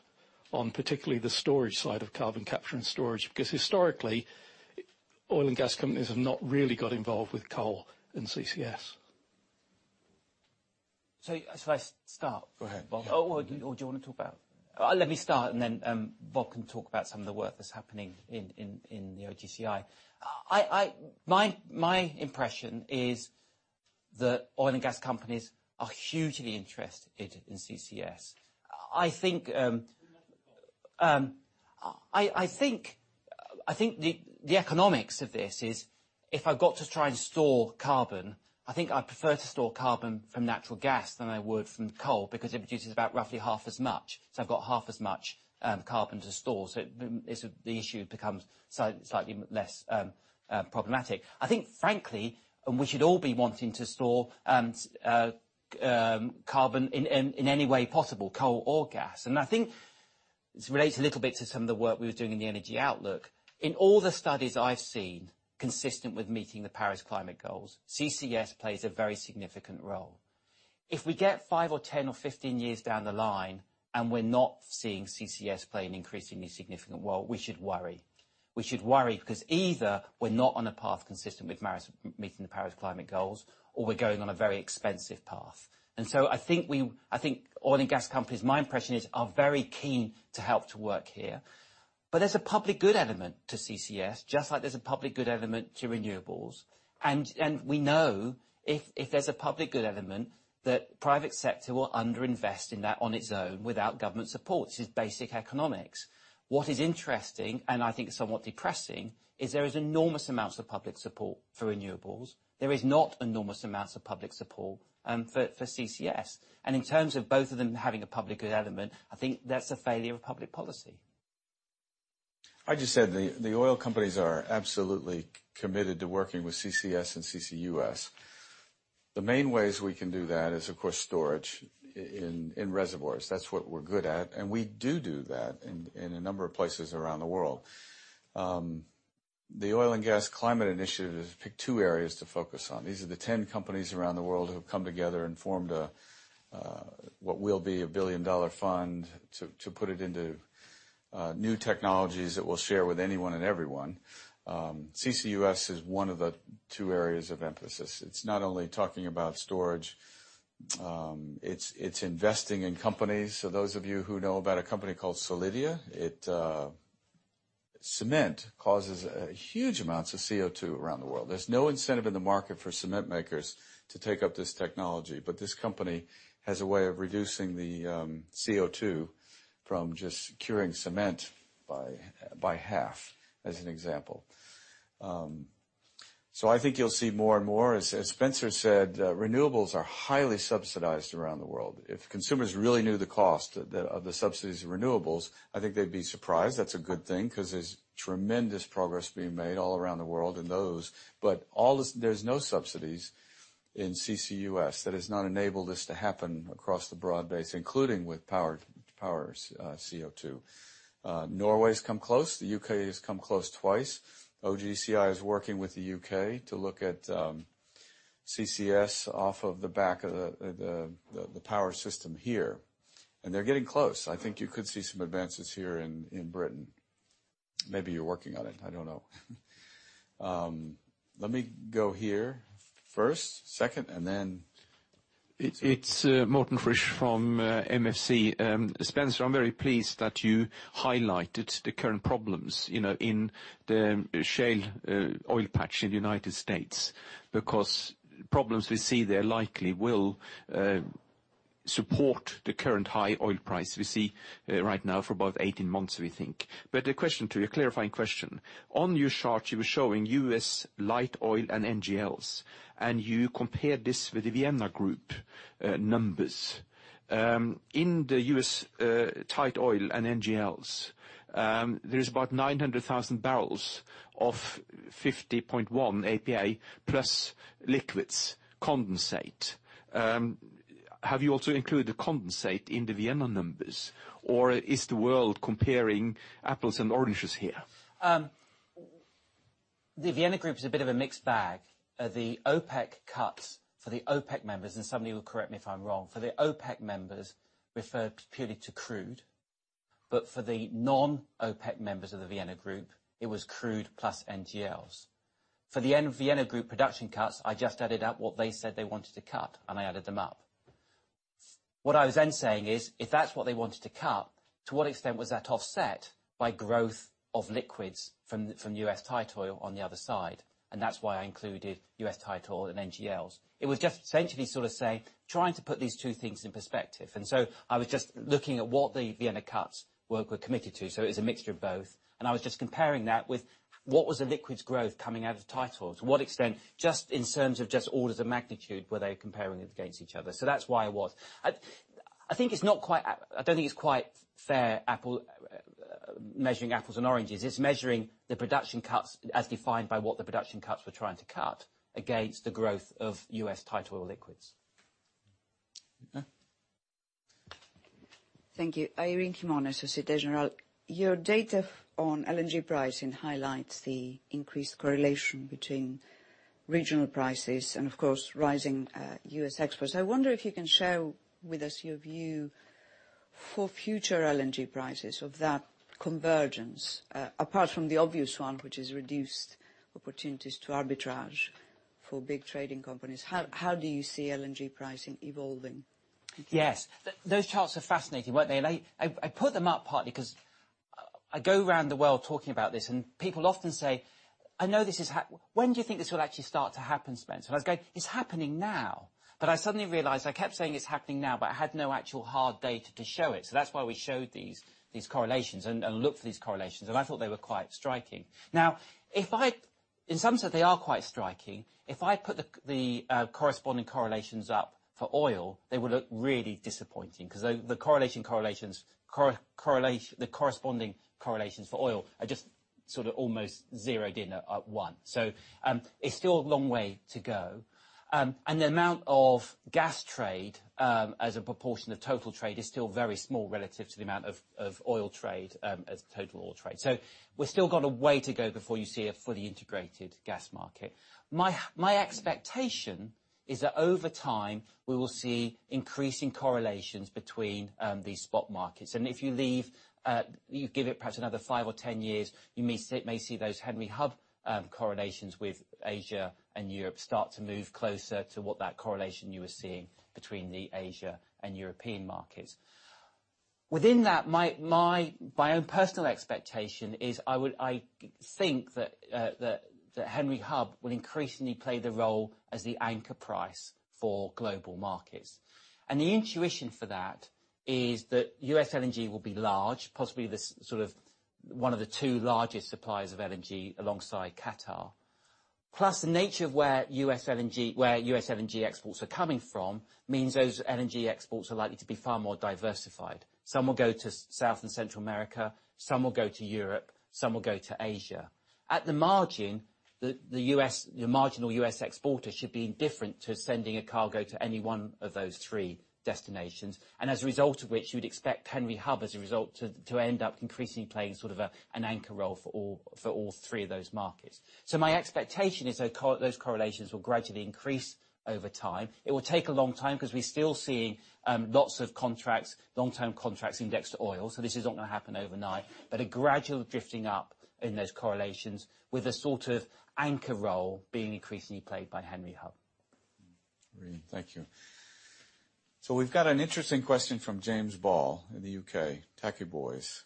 on particularly the storage side of carbon capture and storage? Because historically, oil and gas companies have not really got involved with coal and CCS. Shall I start? Go ahead. Let me start, and then Bob can talk about some of the work that's happening in the OGCI. My impression is that oil and gas companies are hugely interested in CCS. I think, the economics of this is, if I've got to try and store carbon, I think I'd prefer to store carbon from natural gas than I would from coal, because it produces about roughly half as much. I've got half as much carbon to store, so the issue becomes slightly less problematic. I think, frankly, we should all be wanting to store carbon in any way possible, coal or gas. I think this relates a little bit to some of the work we were doing in the BP Energy Outlook. In all the studies I've seen, consistent with meeting the Paris climate goals, CCS plays a very significant role. If we get five or 10 or 15 years down the line, and we're not seeing CCS play an increasingly significant role, we should worry. We should worry because either we're not on a path consistent with meeting the Paris climate goals, or we're going on a very expensive path. I think oil and gas companies, my impression is, are very keen to help to work here. There's a public good element to CCS, just like there's a public good element to renewables. We know if there's a public good element, that private sector will under-invest in that on its own without government support. This is basic economics. What is interesting, and I think somewhat depressing, is there is enormous amounts of public support for renewables. There is not enormous amounts of public support for CCS. In terms of both of them having a public good element, I think that's a failure of public policy. I just said the oil companies are absolutely committed to working with CCS and CCUS. The main ways we can do that is, of course, storage in reservoirs. That's what we're good at, and we do do that in a number of places around the world. The Oil and Gas Climate Initiative has picked two areas to focus on. These are the 10 companies around the world who have come together and formed, what will be a billion-dollar fund to put it into new technologies that we'll share with anyone and everyone. CCUS is one of the two areas of emphasis. It's not only talking about storage. It's investing in companies. Those of you who know about a company called Solidia, cement causes huge amounts of CO2 around the world. There's no incentive in the market for cement makers to take up this technology. This company has a way of reducing the CO2 from just curing cement by half, as an example. I think you'll see more and more. As Spencer said, renewables are highly subsidized around the world. If consumers really knew the cost of the subsidies of renewables, I think they'd be surprised. That's a good thing because there's tremendous progress being made all around the world in those. There's no subsidies in CCUS. That has not enabled this to happen across the broad base, including with power CO2. Norway's come close. The U.K. has come close twice. OGCI is working with the U.K. to look at CCS off of the back of the power system here, and they're getting close. I think you could see some advances here in Britain. Maybe you're working on it. I don't know. Let me go here first, second. It's Morten Frisch from MFC. Spencer, I'm very pleased that you highlighted the current problems in the shale oil patch in the U.S. Problems we see there likely will support the current high oil price we see right now for about 18 months, we think. A question to you, a clarifying question. On your chart, you were showing U.S. light oil and NGLs, and you compared this with the Vienna group numbers. In the U.S. tight oil and NGLs, there is about 900,000 barrels of 50.1 API plus liquids condensate. Have you also included the condensate in the Vienna numbers? Or is the world comparing apples and oranges here? The Vienna group is a bit of a mixed bag. The OPEC cuts for the OPEC members, and somebody will correct me if I'm wrong. For the OPEC members referred purely to crude, for the non-OPEC members of the Vienna group, it was crude plus NGLs. For the Vienna group production cuts, I just added up what they said they wanted to cut, I added them up. What I was saying is, if that's what they wanted to cut, to what extent was that offset by growth of liquids from U.S. tight oil on the other side? That's why I included U.S. tight oil and NGLs. It was just essentially trying to put these two things in perspective, I was just looking at what the Vienna cuts were committed to. It was a mixture of both. I was just comparing that with, what was the liquids growth coming out of tight oil? To what extent, just in terms of just orders of magnitude, were they comparing against each other? That's why I was. I don't think it's quite fair apple measuring apples and oranges. It's measuring the production cuts as defined by what the production cuts were trying to cut against the growth of U.S. tight oil liquids. Okay? Thank you. Irene Himona, Société Générale. Your data on LNG pricing highlights the increased correlation between regional prices and, of course, rising U.S. exports. I wonder if you can share with us your view for future LNG prices of that convergence, apart from the obvious one, which is reduced opportunities to arbitrage for big trading companies. How do you see LNG pricing evolving? Yes. Those charts are fascinating, weren't they? I put them up partly because I go around the world talking about this. People often say, "When do you think this will actually start to happen, Spencer?" I was going, "It's happening now." I suddenly realized I kept saying it's happening now, but I had no actual hard data to show it. That's why we showed these correlations and looked for these correlations, and I thought they were quite striking. In some sense they are quite striking. If I put the corresponding correlations up for oil, they would look really disappointing, because the corresponding correlations for oil are just sort of almost zeroed in at one. It's still a long way to go. The amount of gas trade, as a proportion of total trade, is still very small relative to the amount of oil trade as total oil trade. We've still got a way to go before you see a fully integrated gas market. My expectation is that over time, we will see increasing correlations between these spot markets. If you give it perhaps another 5 or 10 years, you may see those Henry Hub correlations with Asia and Europe start to move closer to what that correlation you were seeing between the Asia and European markets. Within that, my own personal expectation is, I think that Henry Hub will increasingly play the role as the anchor price for global markets. The intuition for that is that U.S. LNG will be large, possibly one of the two largest suppliers of LNG alongside Qatar. The nature of where U.S. LNG exports are coming from means those LNG exports are likely to be far more diversified. Some will go to South and Central America, some will go to Europe, some will go to Asia. At the margin, the marginal U.S. exporter should be indifferent to sending a cargo to any one of those three destinations. As a result of which, you would expect Henry Hub, as a result, to end up increasingly playing sort of an anchor role for all three of those markets. My expectation is that those correlations will gradually increase over time. It will take a long time because we're still seeing lots of contracts, long-term contracts indexed to oil. This is not going to happen overnight. A gradual drifting up in those correlations with a sort of anchor role being increasingly played by Henry Hub. Irene, thank you. We've got an interesting question from James Ball in the U.K., [Taki Boys].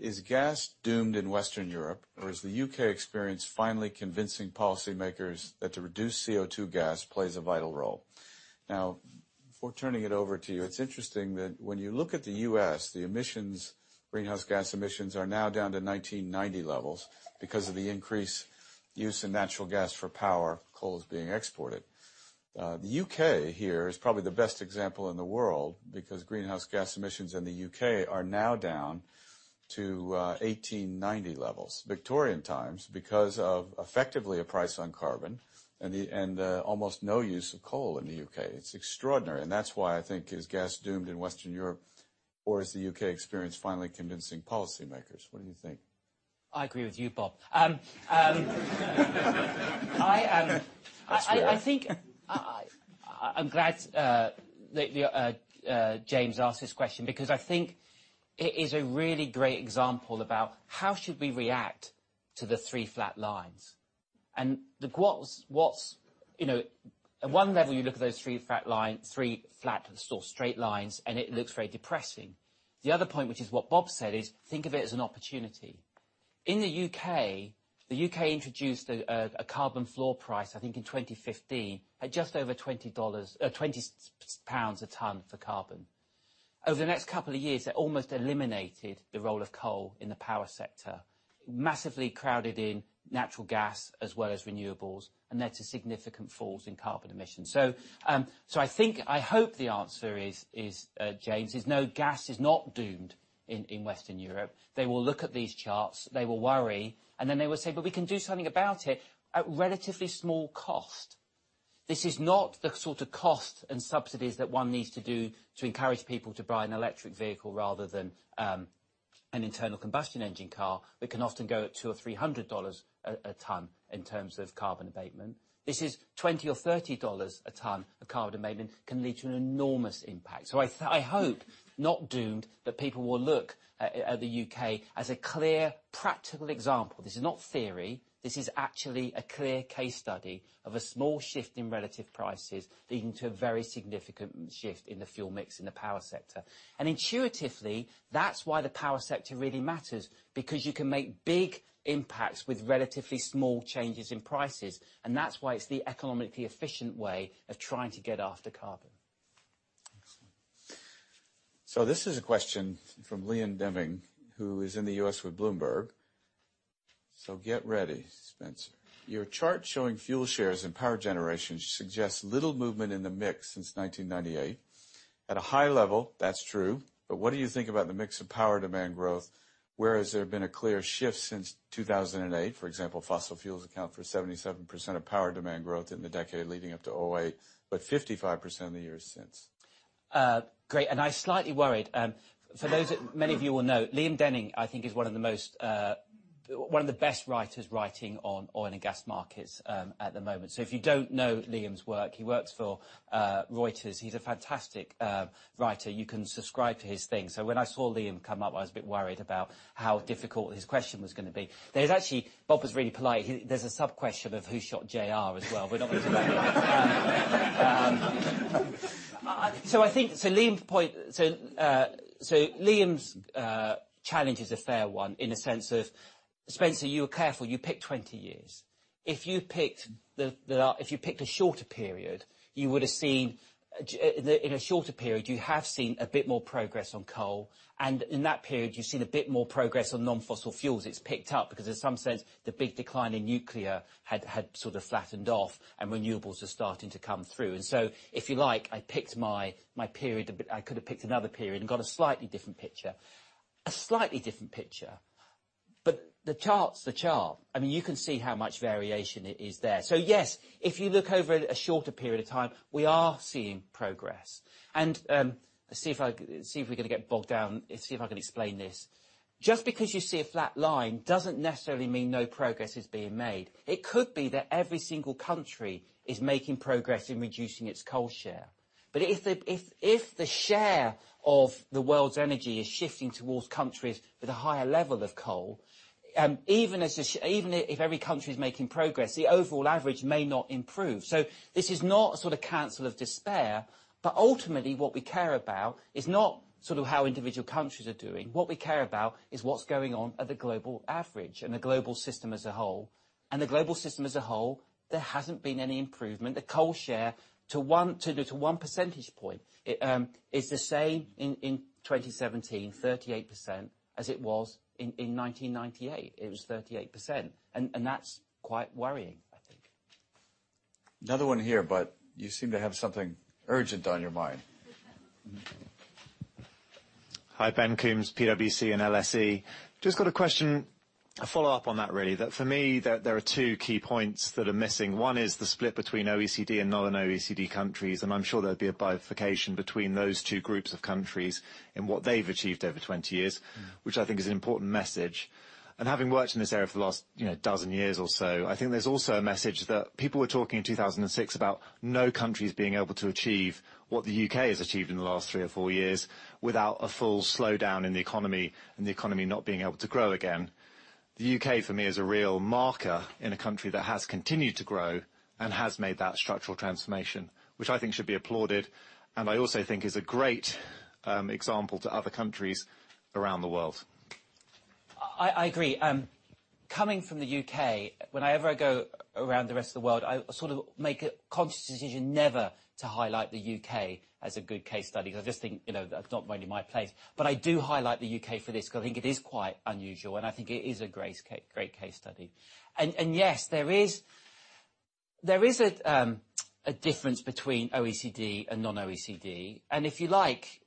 Is gas doomed in Western Europe, or is the U.K. experience finally convincing policymakers that the reduced CO2 gas plays a vital role? Before turning it over to you, it is interesting that when you look at the U.S., the greenhouse gas emissions are now down to 1990 levels because of the increased use in natural gas for power, coal is being exported. The U.K. here is probably the best example in the world because greenhouse gas emissions in the U.K. are now down to 1890 levels, Victorian times, because of effectively a price on carbon and almost no use of coal in the U.K. It is extraordinary, and that is why I think, is gas doomed in Western Europe, or is the U.K. experience finally convincing policymakers? What do you think? I agree with you, Bob. That is fair. I think I am glad that James asked this question because I think it is a really great example about how should we react to the three flat lines. At one level, you look at those three flat or straight lines, and it looks very depressing. The other point, which is what Bob said, is think of it as an opportunity. In the U.K., the U.K. introduced a carbon floor price, I think in 2015, at just over GBP 20, 20 pounds a ton for carbon. Over the next couple of years, they almost eliminated the role of coal in the power sector, massively crowded in natural gas as well as renewables, and led to significant falls in carbon emissions. I hope the answer is, James, is no, gas is not doomed in Western Europe. They will look at these charts, they will worry. Then they will say, "We can do something about it at relatively small cost." This is not the sort of cost and subsidies that one needs to do to encourage people to buy an electric vehicle rather than an internal combustion engine car that can often go at $200 or $300 a ton in terms of carbon abatement. This is $20 or $30 a ton of carbon abatement can lead to an enormous impact. I hope not doomed, but people will look at the U.K. as a clear, practical example. This is not theory. This is actually a clear case study of a small shift in relative prices leading to a very significant shift in the fuel mix in the power sector. Intuitively, that's why the power sector really matters, because you can make big impacts with relatively small changes in prices. That's why it's the economically efficient way of trying to get after carbon. Excellent. This is a question from Liam Denning, who is in the U.S. with Bloomberg. Get ready, Spencer. Your chart showing fuel shares and power generations suggests little movement in the mix since 1998. At a high level, that's true, but what do you think about the mix of power demand growth, whereas there has been a clear shift since 2008? For example, fossil fuels account for 77% of power demand growth in the decade leading up to 2008, but 55% in the years since. Great. I slightly worried. For those that many of you will know, Liam Denning, I think, is one of the best writers writing on oil and gas markets at the moment. If you don't know Liam's work, he works for Reuters. He's a fantastic writer. You can subscribe to his thing. When I saw Liam come up, I was a bit worried about how difficult his question was going to be. There's actually, Bob was really polite, there's a sub-question of who shot J.R. as well. We're not going to go there. Liam's challenge is a fair one in the sense of, Spencer, you were careful. You picked 20 years. If you'd picked a shorter period, you would have seen, in a shorter period, you have seen a bit more progress on coal, and in that period, you've seen a bit more progress on non-fossil fuels. It's picked up because in some sense, the big decline in nuclear had sort of flattened off and renewables are starting to come through. If you like, I picked my period, but I could've picked another period and got a slightly different picture. A slightly different picture. The chart's the chart. You can see how much variation is there. Yes, if you look over a shorter period of time, we are seeing progress. See if we're going to get bogged down. See if I can explain this. Just because you see a flat line doesn't necessarily mean no progress is being made. It could be that every single country is making progress in reducing its coal share. If the share of the world's energy is shifting towards countries with a higher level of coal, even if every country's making progress, the overall average may not improve. This is not a sort of counsel of despair, but ultimately, what we care about is not how individual countries are doing. What we care about is what's going on at the global average and the global system as a whole. The global system as a whole, there hasn't been any improvement. The coal share to one percentage point, is the same in 2017, 38%, as it was in 1998. It was 38%. That's quite worrying, I think. Another one here, you seem to have something urgent on your mind. Hi, Ben Combes, PwC and LSE. Just got a question, a follow-up on that, really. That for me, there are two key points that are missing. One is the split between OECD and non-OECD countries. I'm sure there'd be a bifurcation between those two groups of countries and what they've achieved over 20 years. Having worked in this area for the last dozen years or so, I think there's also a message that people were talking in 2006 about no countries being able to achieve what the U.K. has achieved in the last three or four years, without a full slowdown in the economy and the economy not being able to grow again. The U.K., for me, is a real marker in a country that has continued to grow and has made that structural transformation, which I think should be applauded, and I also think is a great example to other countries around the world. I agree. Coming from the U.K., whenever I go around the rest of the world, I sort of make a conscious decision never to highlight the U.K. as a good case study, because I just think that's not really my place. I do highlight the U.K. for this because I think it is quite unusual, and I think it is a great case study. Yes, there is a difference between OECD and non-OECD. If you like,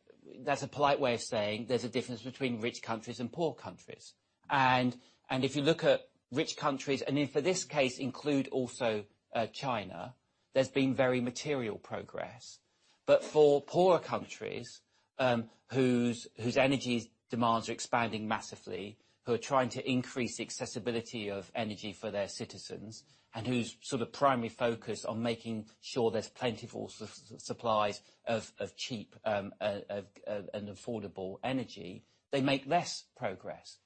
that's a polite way of saying there's a difference between rich countries and poor countries. If you look at rich countries, and if for this case include also China, there's been very material progress. For poorer countries, whose energy demands are expanding massively, who are trying to increase accessibility of energy for their citizens, and whose primary focus on making sure there's plentiful supplies of cheap and affordable energy, they make less progress.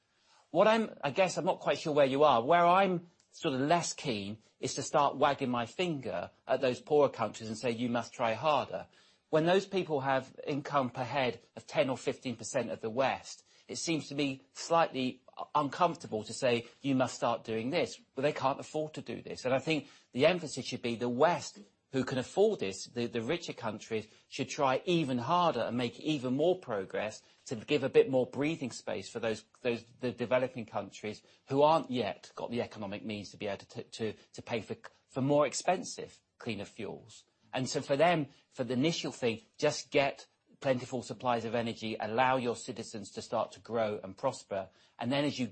I guess I'm not quite sure where you are. Where I'm less keen is to start wagging my finger at those poorer countries and say, "You must try harder." When those people have income per head of 10% or 15% of the West, it seems to be slightly uncomfortable to say, "You must start doing this." Well, they can't afford to do this. I think the emphasis should be the West, who can afford this, the richer countries should try even harder and make even more progress to give a bit more breathing space for the developing countries who aren't yet got the economic means to be able to pay for more expensive cleaner fuels. For them, for the initial thing, just get plentiful supplies of energy, allow your citizens to start to grow and prosper, and as you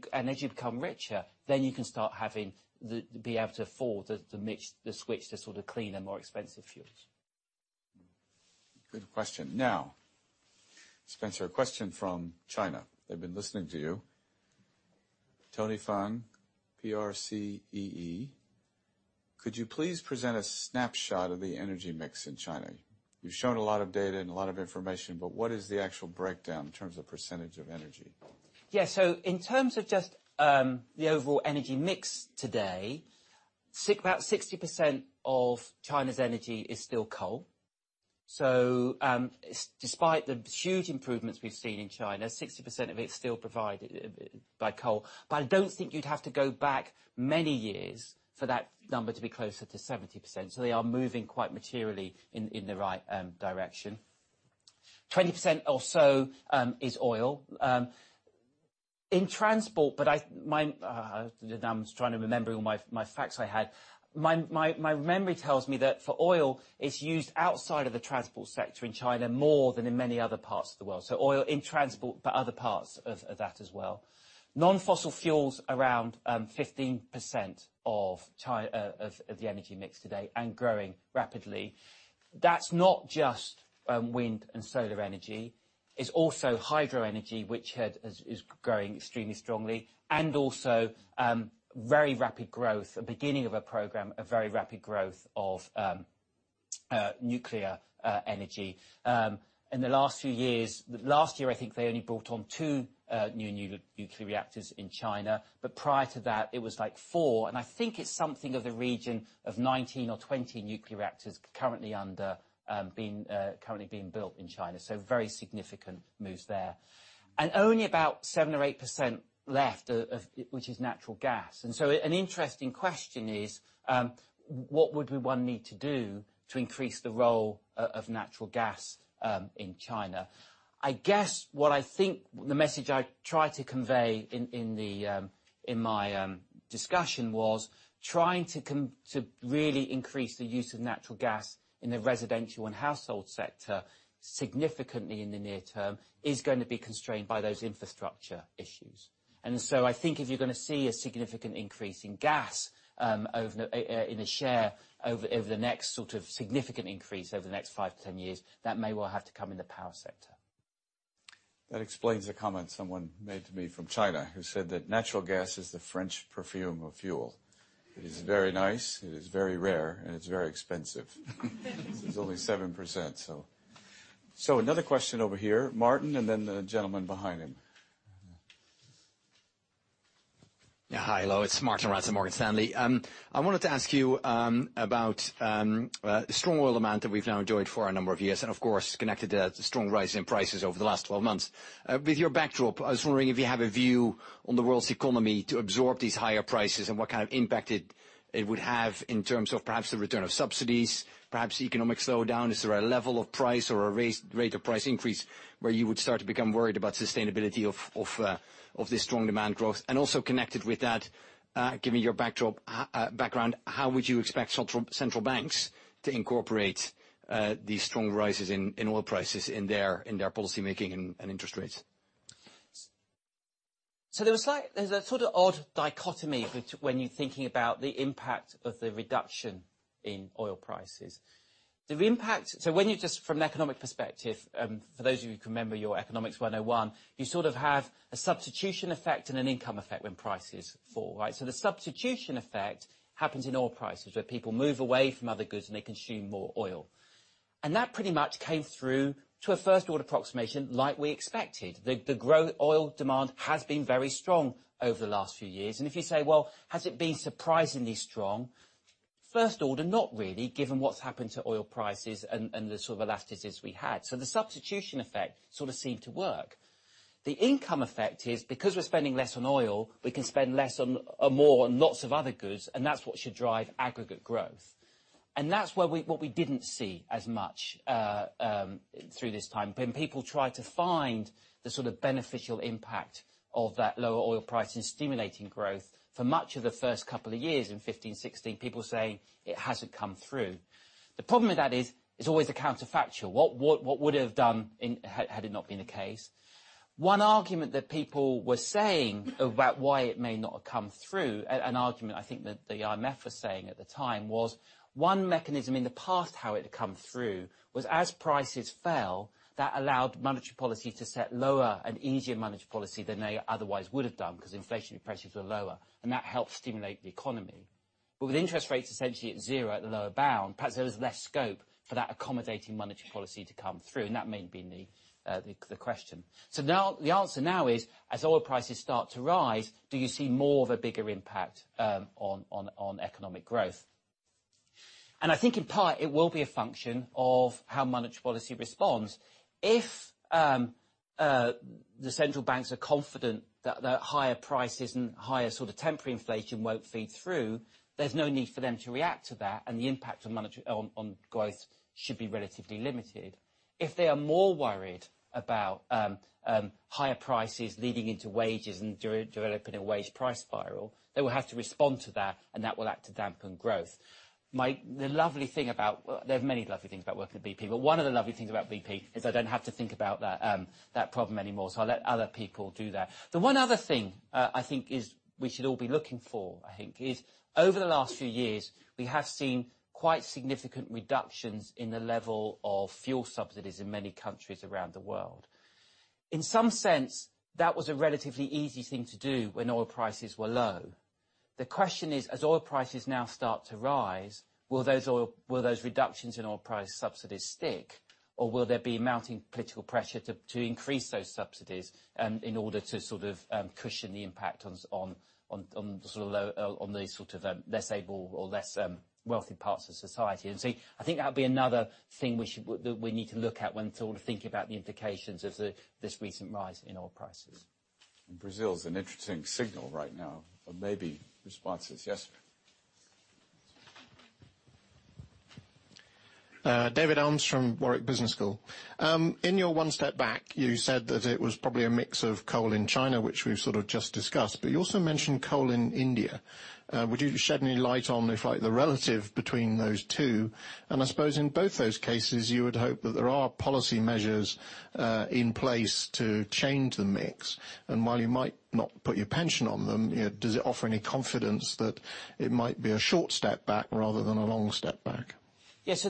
become richer, then you can start to be able to afford the switch to cleaner, more expensive fuels. Good question. Spencer, a question from China. They've been listening to you. Tony Fang, PRCEE, could you please present a snapshot of the energy mix in China? You've shown a lot of data and a lot of information, but what is the actual breakdown in terms of percentage of energy? In terms of just the overall energy mix today, about 60% of China's energy is still coal. Despite the huge improvements we've seen in China, 60% of it's still provided by coal. I don't think you'd have to go back many years for that number to be closer to 70%. They are moving quite materially in the right direction. 20% or so is oil. In transport, but I'm trying to remember all my facts I had. My memory tells me that for oil, it's used outside of the transport sector in China more than in many other parts of the world. Oil in transport, but other parts of that as well. Non-fossil fuels, around 15% of the energy mix today and growing rapidly. That's not just wind and solar energy, it's also hydro energy, which is growing extremely strongly, and also very rapid growth, a beginning of a program, a very rapid growth of nuclear energy. In the last few years. Last year, I think they only brought on two new nuclear reactors in China. Prior to that, it was like four, and I think it's something of the region of 19 or 20 nuclear reactors currently being built in China. Very significant moves there. Only about 7 or 8% left, which is natural gas. An interesting question is, what would one need to do to increase the role of natural gas in China? I guess the message I try to convey in my discussion was trying to really increase the use of natural gas in the residential and household sector significantly in the near term is going to be constrained by those infrastructure issues. I think if you're going to see a significant increase in gas, in a share over the next sort of significant increase over the next five to 10 years, that may well have to come in the power sector. That explains a comment someone made to me from China who said that natural gas is the French perfume of fuel. It is very nice, it is very rare, and it's very expensive. It's only 7%. Another question over here, Martijn, and then the gentleman behind him. Yeah. Hi, hello, it's Martijn Rats, Morgan Stanley. I wanted to ask you about strong oil demand that we've now enjoyed for a number of years and of course, connected a strong rise in prices over the last 12 months. With your backdrop, I was wondering if you have a view on the world's economy to absorb these higher prices and what kind of impact it would have in terms of perhaps the return of subsidies, perhaps economic slowdown. Is there a level of price or a rate of price increase where you would start to become worried about sustainability of this strong demand growth? Also connected with that, given your background, how would you expect central banks to incorporate these strong rises in oil prices in their policymaking and interest rates? There's a sort of odd dichotomy when you're thinking about the impact of the reduction in oil prices. When you just from an economic perspective, for those of you who can remember your Economics 101, you sort of have a substitution effect and an income effect when prices fall, right? The substitution effect happens in oil prices, where people move away from other goods and they consume more oil. That pretty much came through to a first order approximation like we expected. The growth oil demand has been very strong over the last few years. If you say, "Well, has it been surprisingly strong?" First order, not really, given what's happened to oil prices and the sort of elasticities we had. The substitution effect sort of seemed to work. The income effect is because we're spending less on oil, we can spend less on, or more on lots of other goods, and that's what should drive aggregate growth. That's what we didn't see as much through this time. When people try to find the sort of beneficial impact of that lower oil price in stimulating growth, for much of the first couple of years in 2015, 2016, people saying it hasn't come through. The problem with that is it's always a counterfactual. What would it have done had it not been the case? One argument that people were saying about why it may not have come through, an argument I think that the IMF was saying at the time was one mechanism in the past how it had come through was as prices fell, that allowed monetary policy to set lower and easier monetary policy than they otherwise would have done because inflationary pressures were lower, with interest rates essentially at zero at the lower bound, perhaps there was less scope for that accommodating monetary policy to come through. That may be the question. Now the answer now is, as oil prices start to rise, do you see more of a bigger impact on economic growth? I think in part it will be a function of how monetary policy responds. If the central banks are confident that the higher prices and higher sort of temporary inflation won't feed through, there's no need for them to react to that, the impact on growth should be relatively limited. If they are more worried about higher prices leading into wages and developing a wage price spiral, they will have to respond to that will act to dampen growth. There are many lovely things about working at BP, one of the lovely things about BP is I don't have to think about that problem anymore. I let other people do that. The one other thing I think we should all be looking for is over the last few years, we have seen quite significant reductions in the level of fuel subsidies in many countries around the world. In some sense, that was a relatively easy thing to do when oil prices were low. The question is, as oil prices now start to rise, will those reductions in oil price subsidies stick, or will there be mounting political pressure to increase those subsidies in order to sort of cushion the impact on the sort of less able or less wealthy parts of society? I think that'll be another thing that we need to look at when sort of thinking about the implications of this recent rise in oil prices. Brazil is an interesting signal right now of maybe responses. Yes? David Hults from Warwick Business School. In your one step back, you said that it was probably a mix of coal in China, which we've just discussed, but you also mentioned coal in India. Would you shed any light on if the relative between those two? I suppose in both those cases, you would hope that there are policy measures in place to change the mix. While you might not put your pension on them, does it offer any confidence that it might be a short step back rather than a long step back? Yes.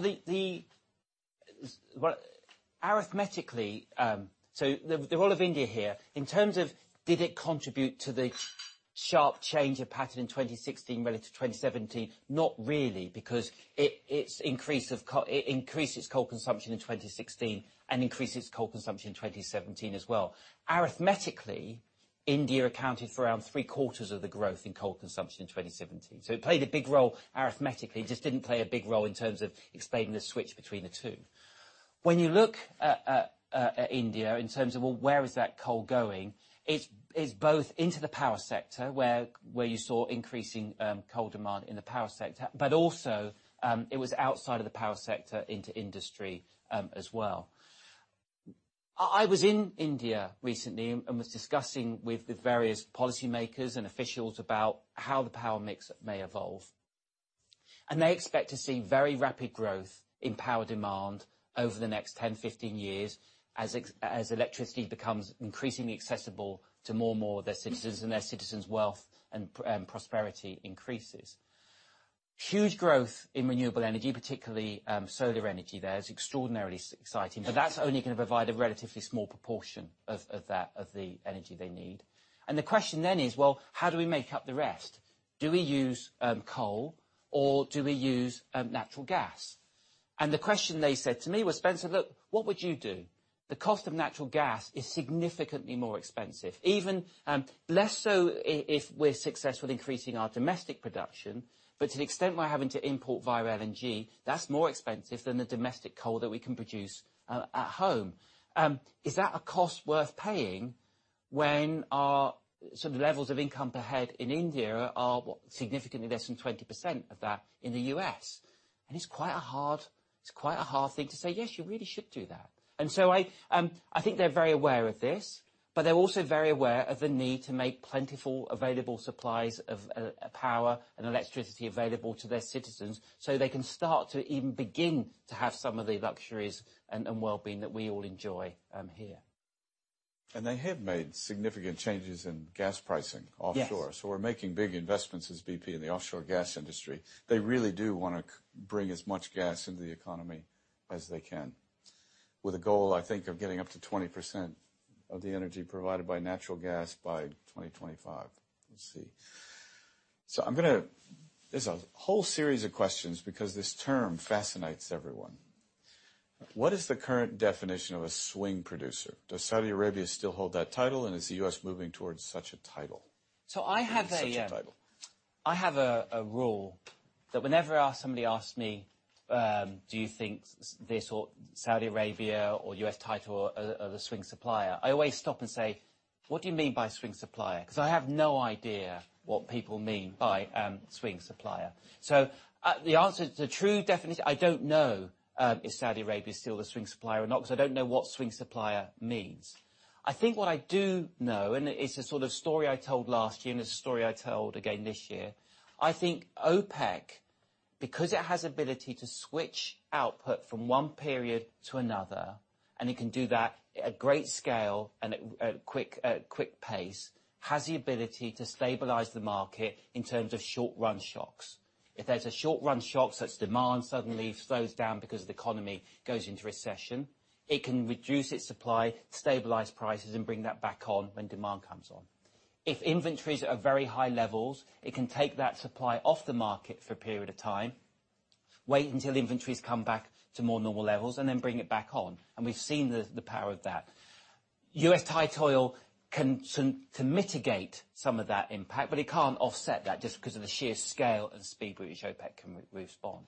Arithmetically, the role of India here, in terms of did it contribute to the sharp change of pattern in 2016 relative to 2017? Not really, because it increased its coal consumption in 2016 and increased its coal consumption in 2017 as well. Arithmetically, India accounted for around three-quarters of the growth in coal consumption in 2017. It played a big role arithmetically, it just didn't play a big role in terms of explaining the switch between the two. When you look at India in terms of, well, where is that coal going? It's both into the power sector, where you saw increasing coal demand in the power sector, but also, it was outside of the power sector into industry as well. I was in India recently and was discussing with the various policymakers and officials about how the power mix may evolve. They expect to see very rapid growth in power demand over the next 10, 15 years as electricity becomes increasingly accessible to more and more of their citizens, and their citizens' wealth and prosperity increases. Huge growth in renewable energy, particularly solar energy there is extraordinarily exciting, but that's only going to provide a relatively small proportion of the energy they need. The question is, well, how do we make up the rest? Do we use coal or do we use natural gas? The question they said to me was, "Spencer, look, what would you do?" The cost of natural gas is significantly more expensive. Less so if we're successful in increasing our domestic production, but to the extent we're having to import via LNG, that's more expensive than the domestic coal that we can produce at home. Is that a cost worth paying when our levels of income per head in India are significantly less than 20% of that in the U.S.? It's quite a hard thing to say, "Yes, you really should do that." I think they're very aware of this, but they're also very aware of the need to make plentiful available supplies of power and electricity available to their citizens so they can start to even begin to have some of the luxuries and wellbeing that we all enjoy here. They have made significant changes in gas pricing offshore. Yes. We're making big investments as BP in the offshore gas industry. They really do want to bring as much gas into the economy as they can. With a goal, I think, of getting up to 20% of the energy provided by natural gas by 2025. We'll see. There's a whole series of questions because this term fascinates everyone. What is the current definition of a swing producer? Does Saudi Arabia still hold that title, and is the U.S. moving towards such a title? I have. Such a title. I have a rule that whenever somebody asks me, "Do you think Saudi Arabia or U.S. tight oil are the swing supplier?" I always stop and say, "What do you mean by swing supplier?" Because I have no idea what people mean by swing supplier. The answer to the true definition, I don't know if Saudi Arabia is still the swing supplier or not, because I don't know what swing supplier means. I think what I do know, and it's a sort of story I told last year, and it's a story I told again this year, I think OPEC, because it has ability to switch output from one period to another, and it can do that at great scale and at quick pace, has the ability to stabilize the market in terms of short-run shocks. If there's a short-run shock, such demand suddenly slows down because the economy goes into recession, it can reduce its supply, stabilize prices, and bring that back on when demand comes on. If inventories are at very high levels, it can take that supply off the market for a period of time, wait until inventories come back to more normal levels, and then bring it back on. We've seen the power of that. U.S. tight oil can mitigate some of that impact, but it can't offset that just because of the sheer scale and speed with which OPEC can respond.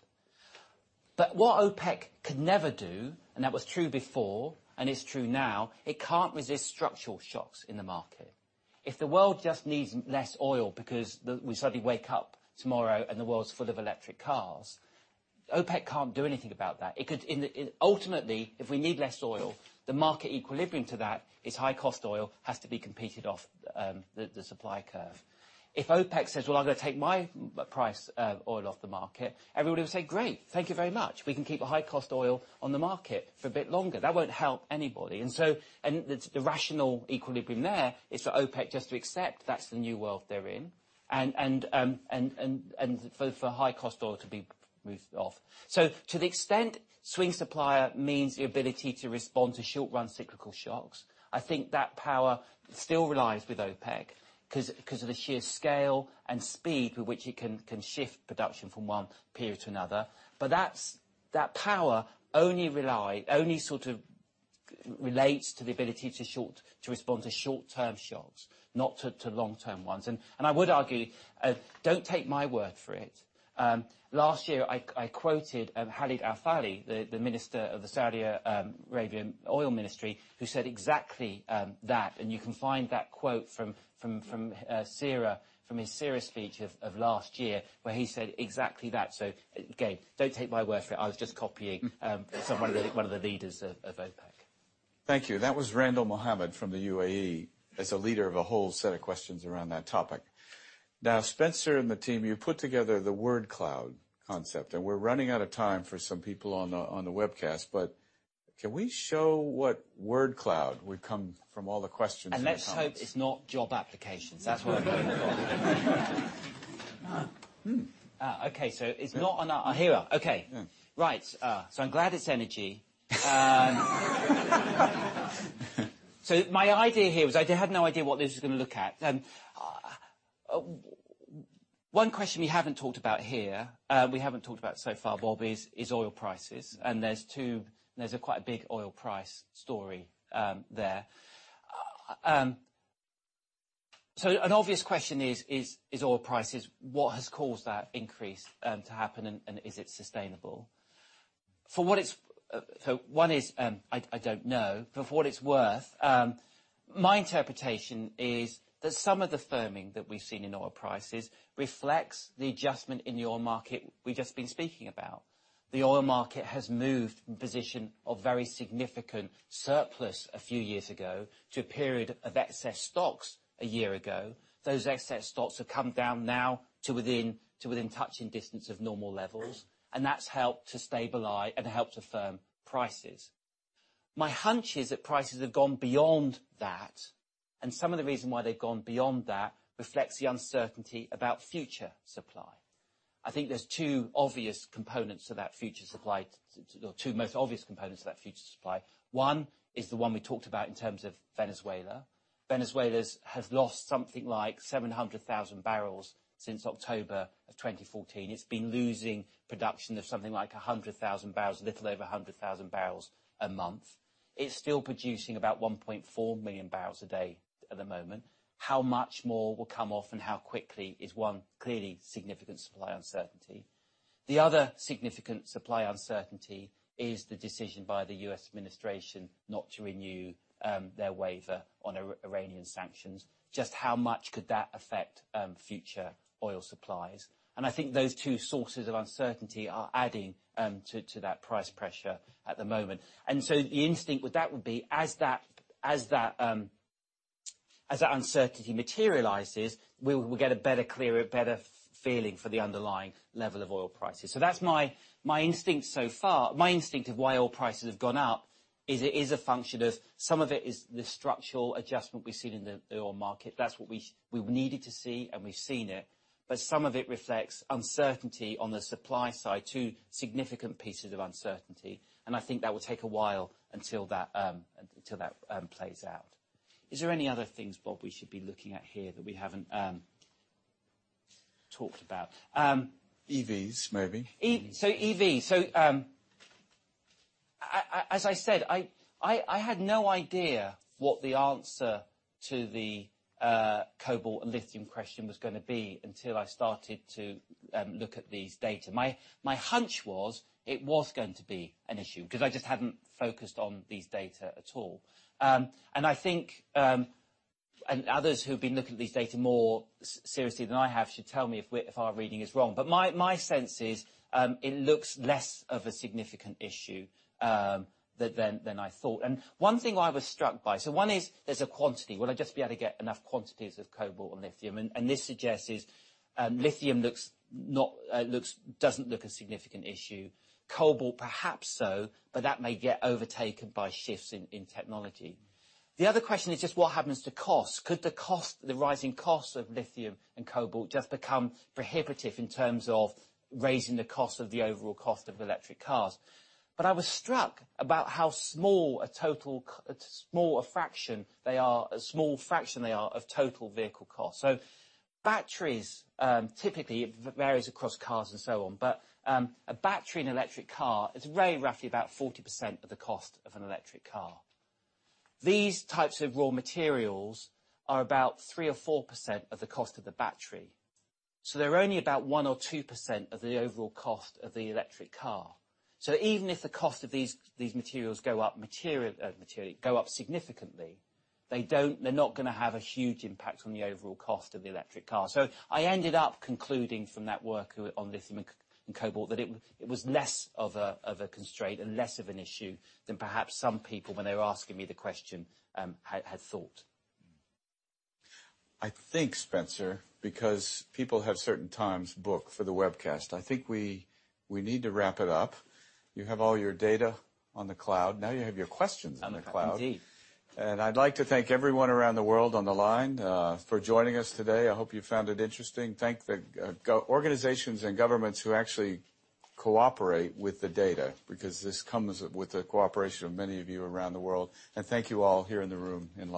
What OPEC could never do, and that was true before, and it's true now, it can't resist structural shocks in the market. If the world just needs less oil because we suddenly wake up tomorrow and the world's full of electric cars, OPEC can't do anything about that. Ultimately, if we need less oil, the market equilibrium to that is high-cost oil has to be competed off the supply curve. If OPEC says, "Well, I'm going to take my price oil off the market," everybody will say, "Great. Thank you very much. We can keep a high-cost oil on the market for a bit longer." That won't help anybody. The rational equilibrium there is for OPEC just to accept that's the new world they're in, and for high-cost oil to be moved off. To the extent swing supplier means the ability to respond to short-run cyclical shocks, I think that power still relies with OPEC because of the sheer scale and speed with which it can shift production from one period to another. That power only relates to the ability to respond to short-term shocks, not to long-term ones. I would argue, don't take my word for it. Last year, I quoted Khalid Al-Falih, the minister of the Saudi Arabian oil ministry, who said exactly that, and you can find that quote from his CERA speech of last year where he said exactly that. Again, don't take my word for it. I was just copying one of the leaders of OPEC. Thank you. That was Randall Mohammed from the UAE, as a leader of a whole set of questions around that topic. Spencer and the team, you put together the word cloud concept, and we're running out of time for some people on the webcast. Can we show what word cloud would come from all the questions and the comments? Let's hope it's not job applications. That's what I'm really worried about. Here we are. Yeah. I'm glad it's energy. My idea here was I had no idea what this was going to look at. One question we haven't talked about so far, Bob, is oil prices, and there's quite a big oil price story there. An obvious question is oil prices, what has caused that increase to happen, and is it sustainable? One is, I don't know. For what it's worth, my interpretation is that some of the firming that we've seen in oil prices reflects the adjustment in the oil market we've just been speaking about. The oil market has moved from a position of very significant surplus a few years ago to a period of excess stocks a year ago. Those excess stocks have come down now to within touching distance of normal levels, and that's helped to stabilize and helped to firm prices. My hunch is that prices have gone beyond that, and some of the reason why they've gone beyond that reflects the uncertainty about future supply. I think there's two most obvious components to that future supply. One is the one we talked about in terms of Venezuela. Venezuela has lost something like 700,000 barrels since October 2014. It's been losing production of something like 100,000 barrels, a little over 100,000 barrels a month. It's still producing about 1.4 million barrels a day at the moment. How much more will come off and how quickly is one clearly significant supply uncertainty. The other significant supply uncertainty is the decision by the U.S. administration not to renew their waiver on Iranian sanctions. Just how much could that affect future oil supplies? I think those two sources of uncertainty are adding to that price pressure at the moment. The instinct with that would be, as that uncertainty materializes, we'll get a better, clearer, better feeling for the underlying level of oil prices. That's my instinct so far. My instinct of why oil prices have gone up is it is a function of some of it is the structural adjustment we've seen in the oil market. That's what we needed to see, and we've seen it. Some of it reflects uncertainty on the supply side, two significant pieces of uncertainty, and I think that will take a while until that plays out. Is there any other things, Bob, we should be looking at here that we haven't talked about? EVs, maybe. EVs. As I said, I had no idea what the answer to the cobalt and lithium question was going to be until I started to look at these data. My hunch was it was going to be an issue because I just hadn't focused on these data at all. I think, and others who've been looking at these data more seriously than I have should tell me if our reading is wrong, but my sense is it looks less of a significant issue than I thought. One thing I was struck by, one is there's a quantity. Will I just be able to get enough quantities of cobalt and lithium? This suggests is lithium doesn't look a significant issue. Cobalt perhaps so, but that may get overtaken by shifts in technology. The other question is just what happens to cost. Could the rising cost of lithium and cobalt just become prohibitive in terms of raising the cost of the overall cost of electric cars? I was struck about how small a fraction they are of total vehicle cost. Batteries, typically, it varies across cars and so on. A battery in an electric car is very roughly about 40% of the cost of an electric car. These types of raw materials are about 3% or 4% of the cost of the battery. They're only about 1% or 2% of the overall cost of the electric car. Even if the cost of these materials go up significantly, they're not going to have a huge impact on the overall cost of the electric car. I ended up concluding from that work on lithium and cobalt, that it was less of a constraint and less of an issue than perhaps some people when they were asking me the question had thought. I think, Spencer, because people have certain times booked for the webcast, I think we need to wrap it up. You have all your data on the cloud. You have your questions on the cloud. Indeed. I'd like to thank everyone around the world on the line for joining us today. I hope you found it interesting. Thank the organizations and governments who actually cooperate with the data, because this comes with the cooperation of many of you around the world. Thank you all here in the room in London.